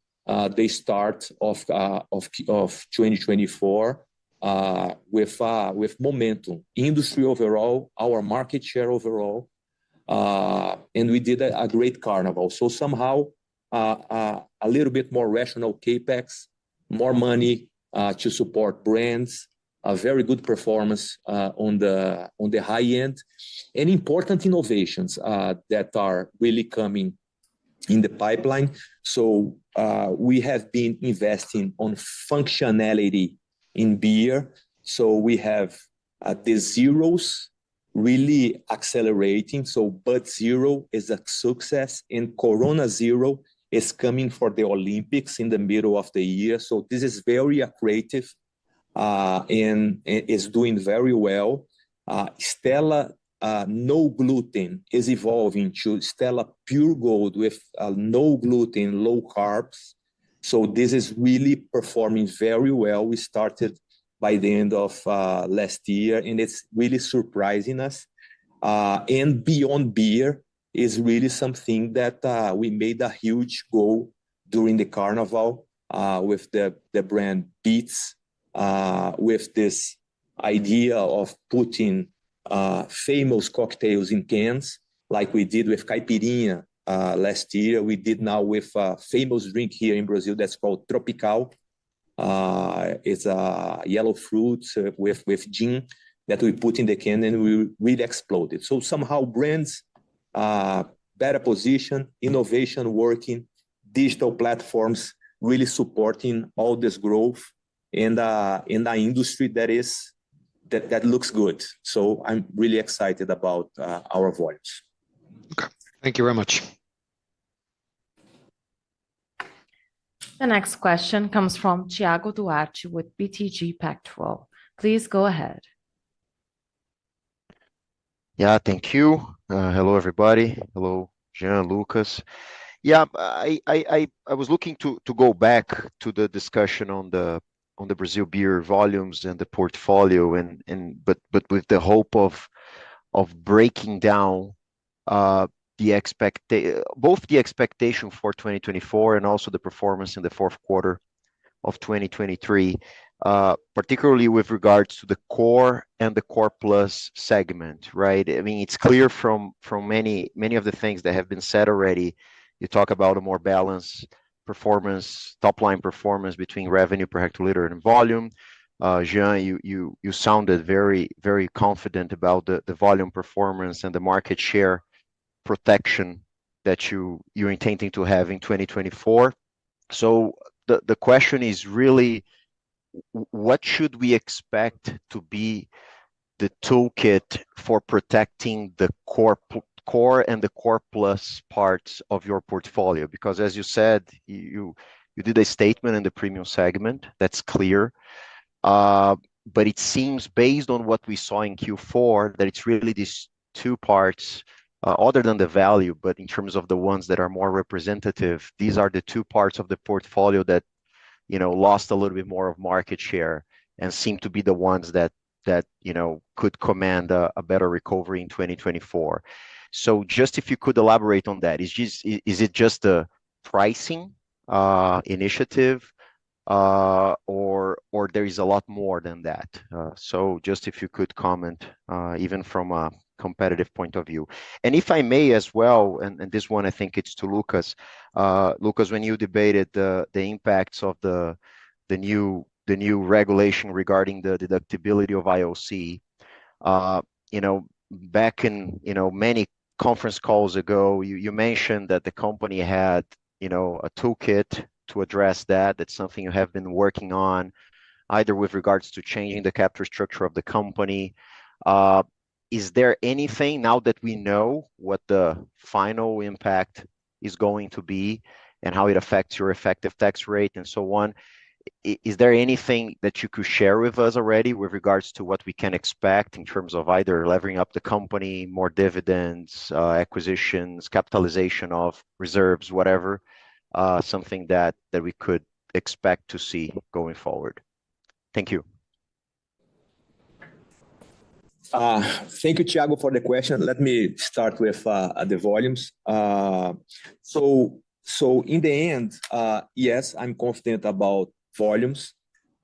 the start of 2024 with momentum, industry overall, our market share overall. And we did a great carnival. So somehow a little bit more rational CapEx, more money to support brands, a very good performance on the high-end, and important innovations that are really coming in the pipeline. So we have been investing on functionality in beer. So we have the zeros really accelerating. So Bud Zero is a success. And Corona Zero is coming for the Olympics in the middle of the year. So this is very accretive and is doing very well. Stella no gluten is evolving to Stella Pure Gold with no gluten, low carbs. So this is really performing very well. We started by the end of last year and it's really surprising us. Beyond Beer is really something that we made a huge goal during the carnival with the brand Beats, with this idea of putting famous cocktails in cans like we did with Caipirinha last year. We did now with a famous drink here in Brazil that's called Tropical. It's a yellow fruit with gin that we put in the can and we really exploded. Somehow brands, better position, innovation working, digital platforms really supporting all this growth and the industry that looks good. So I'm really excited about our volumes. Okay. Thank you very much. The next question comes from Tiago Duarte with BTG Pactual. Please go ahead. Yeah. Thank you. Hello everybody. Hello Jean, Lucas. Yeah. I was looking to go back to the discussion on the Brazil beer volumes and the portfolio and but with the hope of breaking down the expectation both the expectation for 2024 and also the performance in the fourth quarter of 2023, particularly with regards to the core and the core plus segment, right? I mean, it's clear from many of the things that have been said already. You talk about a more balanced performance, top-line performance between revenue per hectoliter and volume. Jean, you sounded very confident about the volume performance and the market share protection that you're intending to have in 2024. So the question is really, what should we expect to be the toolkit for protecting the core and the core plus parts of your portfolio? Because as you said, you did a statement in the premium segment. That's clear. But it seems based on what we saw in Q4 that it's really these two parts, other than the value, but in terms of the ones that are more representative, these are the two parts of the portfolio that you know lost a little bit more of market share and seem to be the ones that you know could command a better recovery in 2024. So just if you could elaborate on that, is it just a pricing initiative, or there is a lot more than that? So just if you could comment, even from a competitive point of view. And if I may as well, this one I think it's to Lucas, Lucas, when you debated the impacts of the new regulation regarding the deductibility of IOC, you know back in you know many conference calls ago, you mentioned that the company had you know a toolkit to address that. That's something you have been working on, either with regards to changing the capital structure of the company. Is there anything now that we know what the final impact is going to be and how it affects your effective tax rate and so on, is there anything that you could share with us already with regards to what we can expect in terms of either levering up the company, more dividends, acquisitions, capitalization of reserves, whatever, something that we could expect to see going forward? Thank you. Thank you, Tiago, for the question. Let me start with the volumes. So in the end, yes, I'm confident about volumes.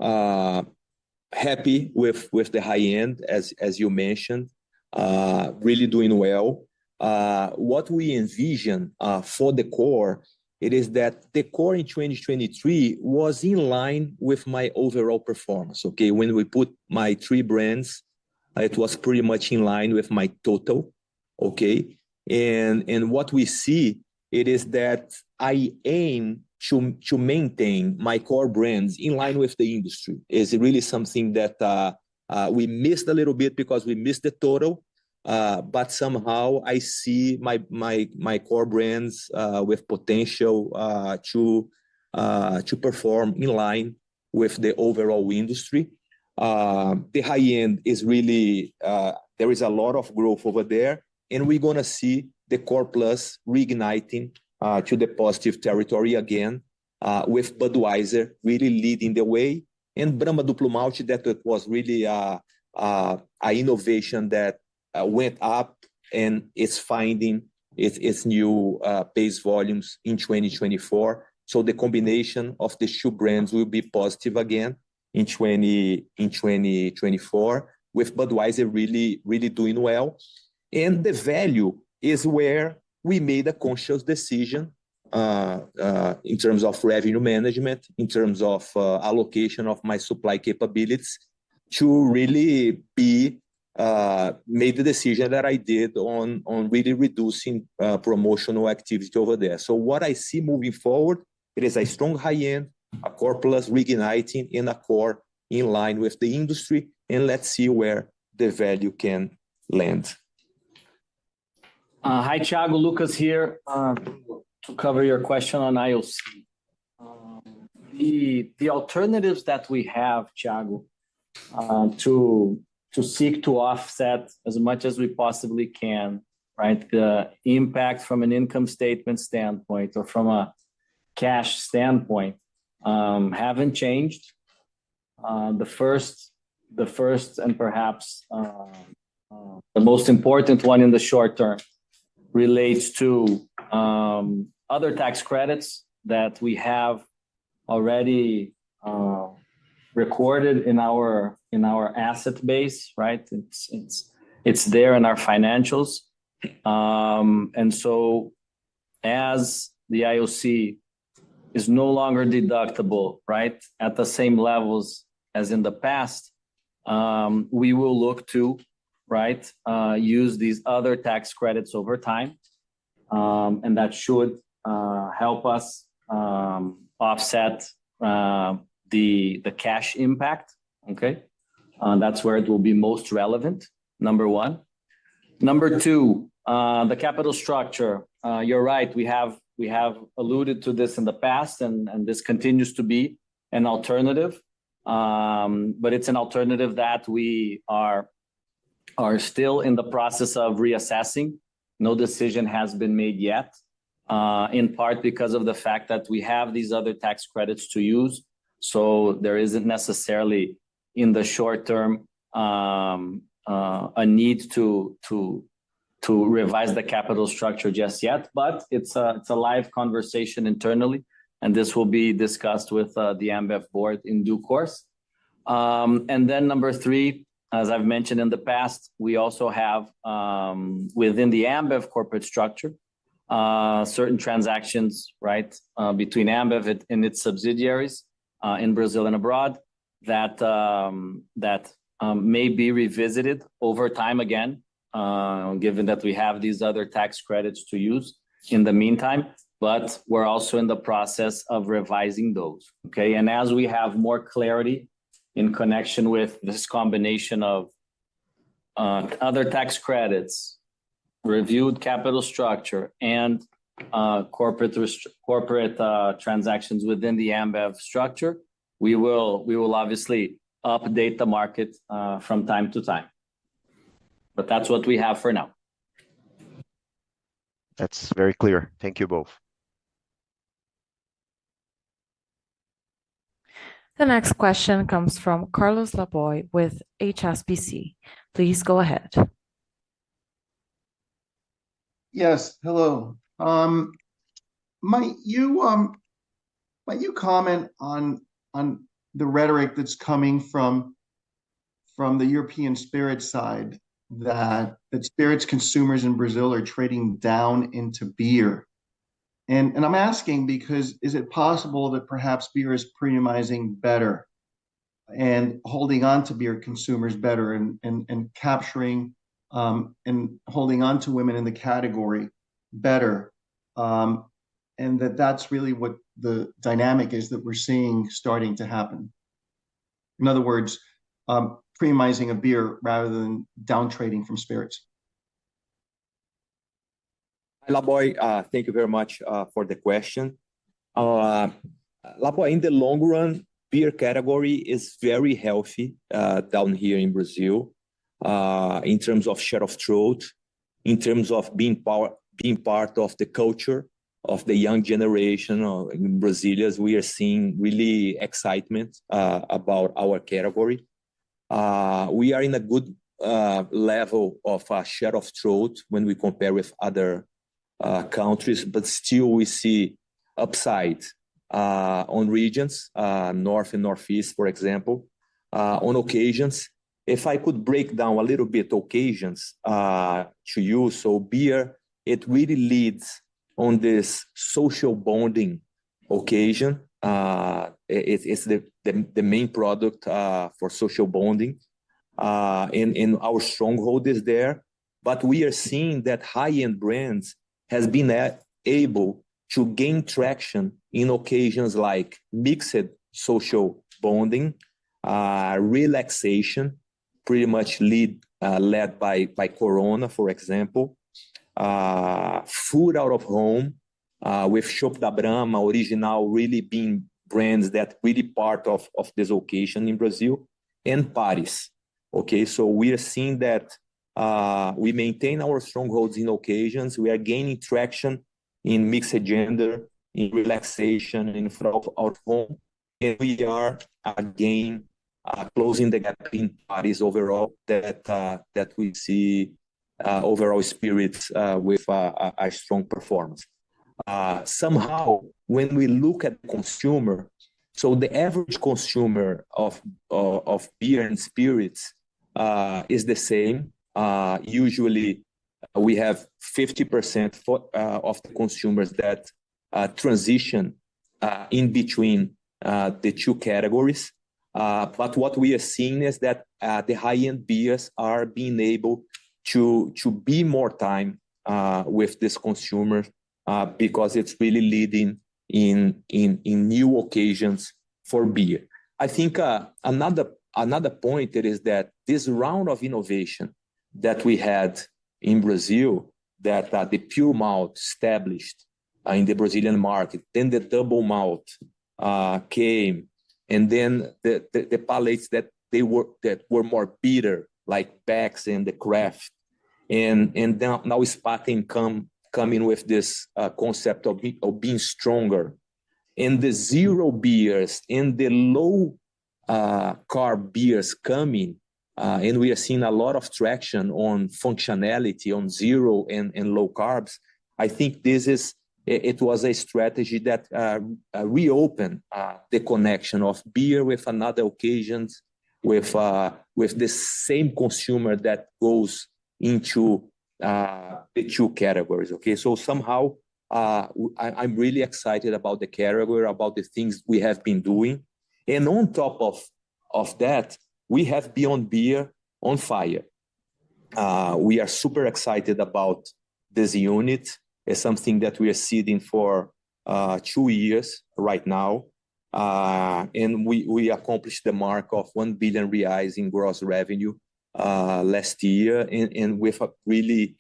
Happy with the high-end, as you mentioned, really doing well. What we envision for the core, it is that the core in 2023 was in line with my overall performance. Okay. When we put my three brands, it was pretty much in line with my total. Okay. And what we see, it is that I aim to maintain my core brands in line with the industry. It's really something that we missed a little bit because we missed the total. But somehow I see my core brands with potential to perform in line with the overall industry. The high-end is really. There is a lot of growth over there. We're going to see the core plus reigniting to the positive territory again, with Budweiser really leading the way. And Brahma Duplo Malte, that was really an innovation that went up and is finding its new pace volumes in 2024. So the combination of the two brands will be positive again in 2024, with Budweiser really really doing well. And the value is where we made a conscious decision in terms of revenue management, in terms of allocation of my supply capabilities to really be made the decision that I did on really reducing promotional activity over there. So what I see moving forward, it is a strong high-end, a core plus reigniting, and a core in line with the industry. And let's see where the value can land. Hi, Tiago. Lucas here to cover your question on IOC. The alternatives that we have, Tiago, to seek to offset as much as we possibly can, right? The impact from an income statement standpoint or from a cash standpoint haven't changed. The first and perhaps the most important one in the short term relates to other tax credits that we have already recorded in our asset base, right? It's there in our financials. And so as the IOC is no longer deductible, right, at the same levels as in the past, we will look to, right, use these other tax credits over time. And that should help us offset the cash impact. Okay? That's where it will be most relevant, number one. Number two, the capital structure. You're right. We have alluded to this in the past and this continues to be an alternative. But it's an alternative that we are still in the process of reassessing. No decision has been made yet, in part because of the fact that we have these other tax credits to use. So there isn't necessarily in the short term a need to revise the capital structure just yet. But it's a live conversation internally. And this will be discussed with the Ambev Board in due course. And then number three, as I've mentioned in the past, we also have within the Ambev corporate structure, certain transactions, right, between Ambev and its subsidiaries in Brazil and abroad that may be revisited over time again, given that we have these other tax credits to use in the meantime. But we're also in the process of revising those. Okay? And as we have more clarity in connection with this combination of other tax credits, reviewed capital structure, and corporate transactions within the Ambev structure, we will obviously update the market from time to time. But that's what we have for now. That's very clear. Thank you both. The next question comes from Carlos Laboy with HSBC. Please go ahead. Yes. Hello. Might you comment on the rhetoric that's coming from the European spirits side that spirits consumers in Brazil are trading down into beer? And I'm asking because is it possible that perhaps beer is premiumizing better and holding onto beer consumers better and capturing and holding onto women in the category better? And that's really what the dynamic is that we're seeing starting to happen. In other words, premiumizing beer rather than downtrading from spirits. Hi, Laboy. Thank you very much for the question. Laboy, in the long run, beer category is very healthy down here in Brazil in terms of share of throat, in terms of being power being part of the culture of the young generation in Brazil. As we are seeing really excitement about our category. We are in a good level of a share of throat when we compare with other countries. But still, we see upside on regions, north and northeast, for example. On occasions, if I could break down a little bit occasions to you. So beer, it really leads on this social bonding occasion. It's the main product for social bonding. And our stronghold is there. But we are seeing that high-end brands have been able to gain traction in occasions like mixed social bonding, relaxation, pretty much led by Corona, for example, food out of home, with Chopp da Brahma, Original really being brands that really part of this location in Brazil, and parties. Okay? So we are seeing that we maintain our strongholds in occasions. We are gaining traction in mixed agenda, in relaxation, in front of our home. And we are again closing the gap in parties overall. That we see overall spirits with a strong performance. Somehow, when we look at the consumer, so the average consumer of beer and spirits is the same. Usually, we have 50% of the consumers that transition in between the two categories. But what we are seeing is that the high-end beers are being able to be more time with this consumer because it's really leading in new occasions for beer. I think another point it is that this round of innovation that we had in Brazil, that the pure malt established in the Brazilian market, then the double malt came, and then the palates that they were more bitter, like IPAs and the craft. And now sparkling coming with this concept of being stronger. And the zero beers and the low-carb beers coming, and we are seeing a lot of traction on functionality, on zero and low carbs. I think this is it was a strategy that reopened the connection of beer with another occasions, with the same consumer that goes into the two categories. Okay? So somehow, I'm really excited about the category, about the things we have been doing. And on top of that, we have Beyond Beer on fire. We are super excited about this unit. It's something that we are seeding for two years right now. And we accomplished the mark of 1 billion reais in gross revenue last year and with a really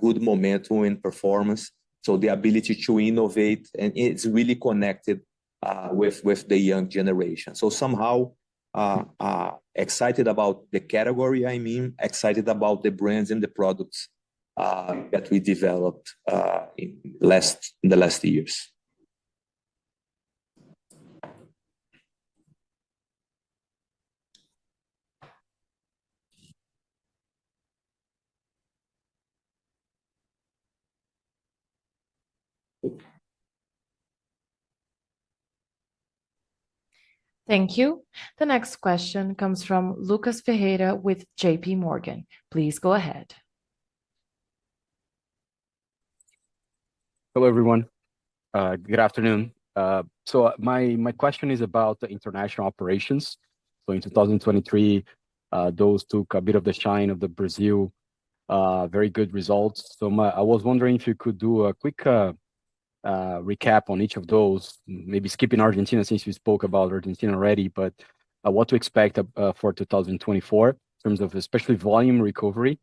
good momentum in performance. So the ability to innovate, and it's really connected with the young generation. So somehow, excited about the category, I mean, excited about the brands and the products that we developed in the last years. Thank you. The next question comes from Lucas Ferreira with JP Morgan. Please go ahead. Hello, everyone. Good afternoon. So my question is about the international operations. So in 2023, those took a bit of the shine of the Brazil, very good results. I was wondering if you could do a quick recap on each of those, maybe skipping Argentina since we spoke about Argentina already, but what to expect for 2024 in terms of especially volume recovery.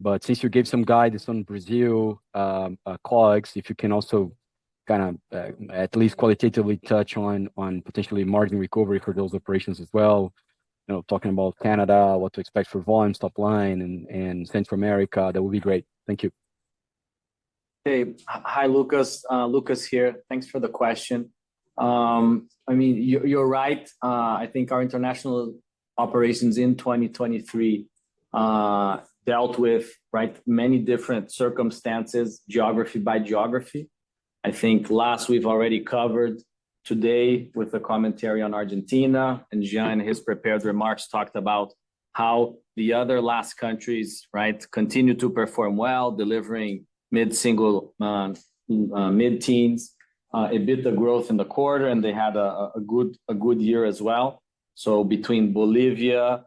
But since you gave some guidance on Brazil, colleagues, if you can also kind of at least qualitatively touch on potentially margin recovery for those operations as well, you know talking about Canada, what to expect for volume, top line, and Central America, that would be great. Thank you. Okay. Hi, Lucas. Lucas here. Thanks for the question. I mean, you're right. I think our international operations in 2023 dealt with quite many different circumstances, geography by geography. I think LAS we've already covered today with a commentary on Argentina, and Jean in his prepared remarks talked about how the other LAS countries right continue to perform well, delivering mid-single mid-teens, a bit of growth in the quarter, and they had a good year as well. So between Bolivia,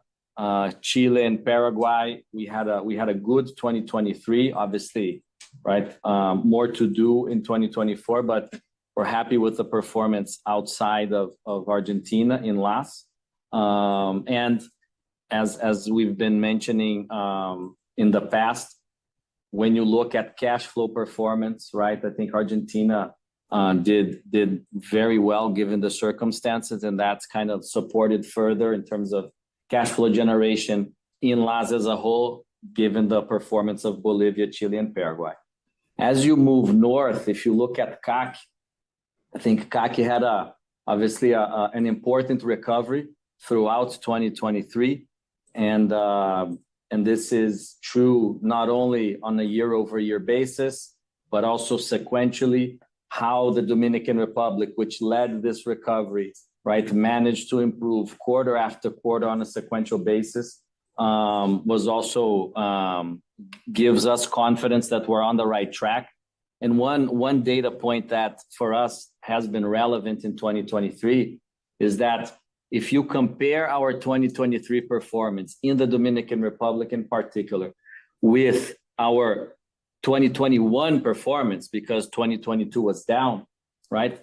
Chile, and Paraguay, we had a good 2023, obviously, right? More to do in 2024, but we're happy with the performance outside of Argentina in LAS. And as we've been mentioning in the past, when you look at cash flow performance, right, I think Argentina did very well given the circumstances, and that's kind of supported further in terms of cash flow generation in LAS as a whole given the performance of Bolivia, Chile, and Paraguay. As you move north, if you look at CAC, I think CAC had obviously an important recovery throughout 2023. This is true not only on a year-over-year basis, but also sequentially how the Dominican Republic, which led this recovery, right, managed to improve quarter after quarter on a sequential basis, was also gives us confidence that we're on the right track. One data point that for us has been relevant in 2023 is that if you compare our 2023 performance in the Dominican Republic in particular with our 2021 performance, because 2022 was down, right,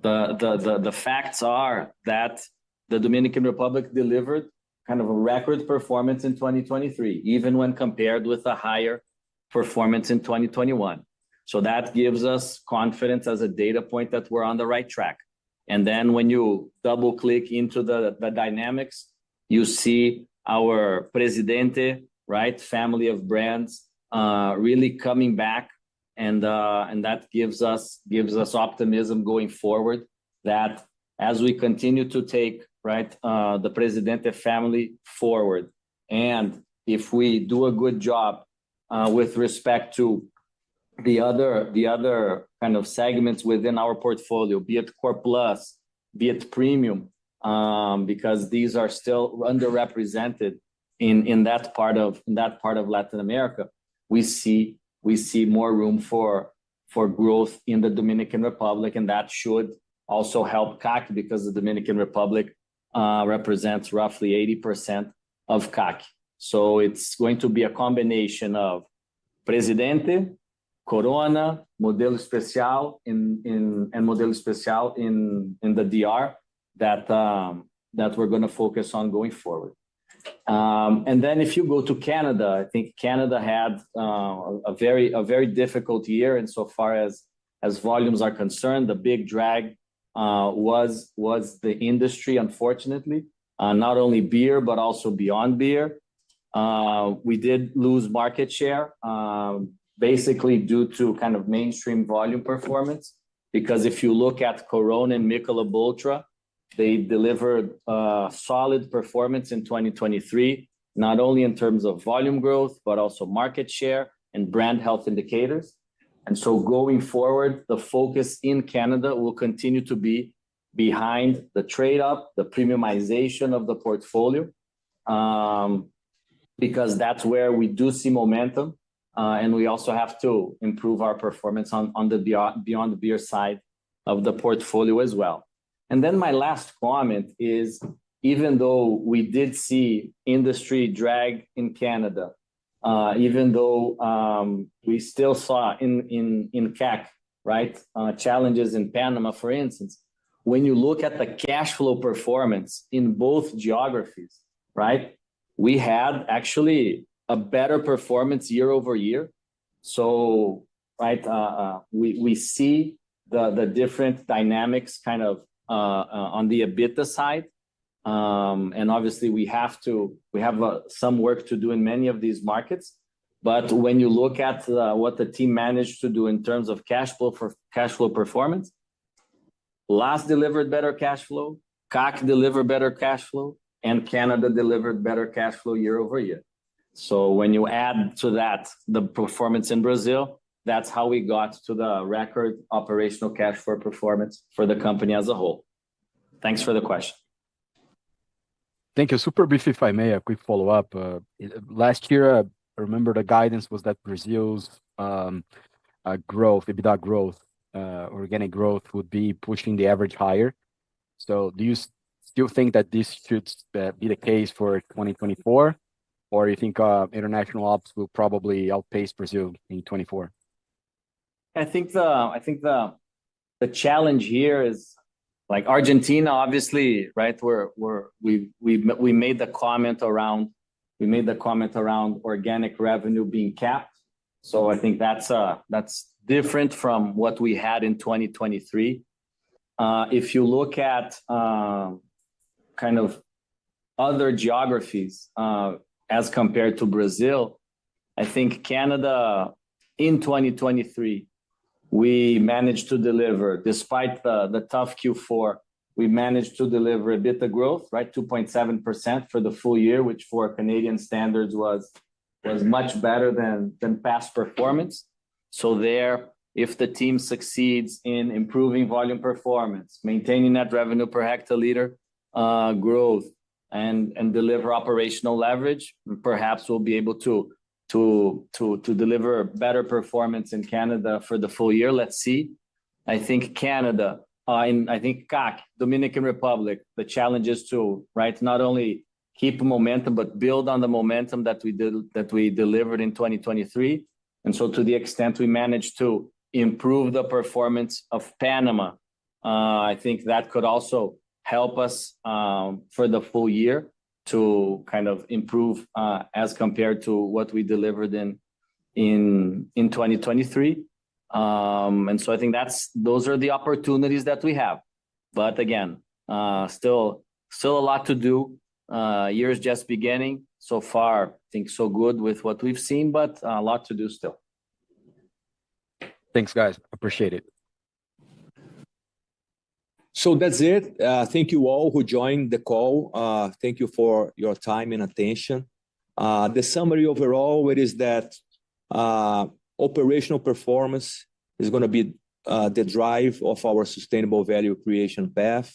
the facts are that the Dominican Republic delivered kind of a record performance in 2023, even when compared with a higher performance in 2021. So that gives us confidence as a data point that we're on the right track. And then when you double-click into the dynamics, you see our Presidente, right, family of brands, really coming back. And that gives us optimism going forward that as we continue to take, right, the Presidente family forward, and if we do a good job with respect to the other kind of segments within our portfolio, be it core plus, be it premium, because these are still underrepresented in that part of Latin America, we see more room for growth in the Dominican Republic. And that should also help CAC because the Dominican Republic represents roughly 80% of CAC. So it's going to be a combination of Presidente, Corona, Modelo Especial in and Modelo Especial in the DR that we're going to focus on going forward. And then if you go to Canada, I think Canada had a very difficult year insofar as volumes are concerned. The big drag was the industry, unfortunately, not only beer, but also beyond beer. We did lose market share basically due to kind of mainstream volume performance. Because if you look at Corona and Michelob Ultra, they delivered solid performance in 2023, not only in terms of volume growth, but also market share and brand health indicators. And so going forward, the focus in Canada will continue to be behind the trade-up, the premiumization of the portfolio, because that's where we do see momentum. And we also have to improve our performance on the beyond beer side of the portfolio as well. Then my last comment is, even though we did see industry drag in Canada, even though we still saw in CAC, right, challenges in Panama, for instance, when you look at the cash flow performance in both geographies, right, we had actually a better performance year over year. So, right, we see the different dynamics kind of on the EBITDA side. And obviously, we have to we have some work to do in many of these markets. But when you look at what the team managed to do in terms of cash flow for cash flow performance, LAS delivered better cash flow, CAC delivered better cash flow, and Canada delivered better cash flow year over year. So when you add to that the performance in Brazil, that's how we got to the record operational cash flow performance for the company as a whole. Thanks for the question. Thank you. Super brief, if I may, a quick follow-up. Last year, I remember the guidance was that Brazil's growth, EBITDA growth, organic growth would be pushing the average higher. So do you still think that this should be the case for 2024, or do you think international ops will probably outpace Brazil in 2024? I think the challenge here is like Argentina, obviously, right? We made the comment around organic revenue being capped. So I think that's different from what we had in 2023. If you look at kind of other geographies as compared to Brazil, I think Canada in 2023, we managed to deliver, despite the tough Q4, we managed to deliver EBITDA growth, right, 2.7% for the full year, which for Canadian standards was much better than past performance. So there, if the team succeeds in improving volume performance, maintaining that revenue per hectoliter growth, and deliver operational leverage, perhaps we'll be able to deliver better performance in Canada for the full year. Let's see. I think Canada, in I think CAC, Dominican Republic, the challenges too, right, not only keep momentum, but build on the momentum that we delivered in 2023. And so to the extent we managed to improve the performance of Panama, I think that could also help us for the full year to kind of improve as compared to what we delivered in 2023. And so I think that's those are the opportunities that we have. But again, still a lot to do. Year's just beginning. So far, I think so good with what we've seen, but a lot to do still. Thanks, guys. Appreciate it. So that's it. Thank you all who joined the call. Thank you for your time and attention. The summary overall, it is that operational performance is going to be the drive of our sustainable value creation path.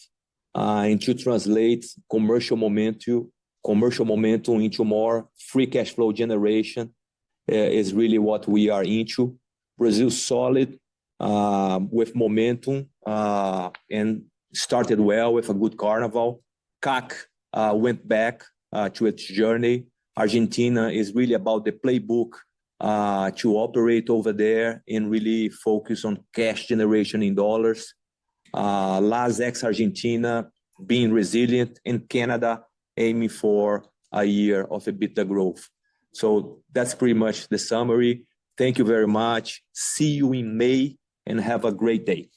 To translate commercial momentum into more free cash flow generation is really what we are into. Brazil's solid with momentum and started well with a good carnival. CAC went back to its journey. Argentina is really about the playbook to operate over there and really focus on cash generation in dollars. LAS ex-Argentina being resilient and Canada aiming for a year of EBITDA growth. So that's pretty much the summary. Thank you very much. See you in May and have a great day.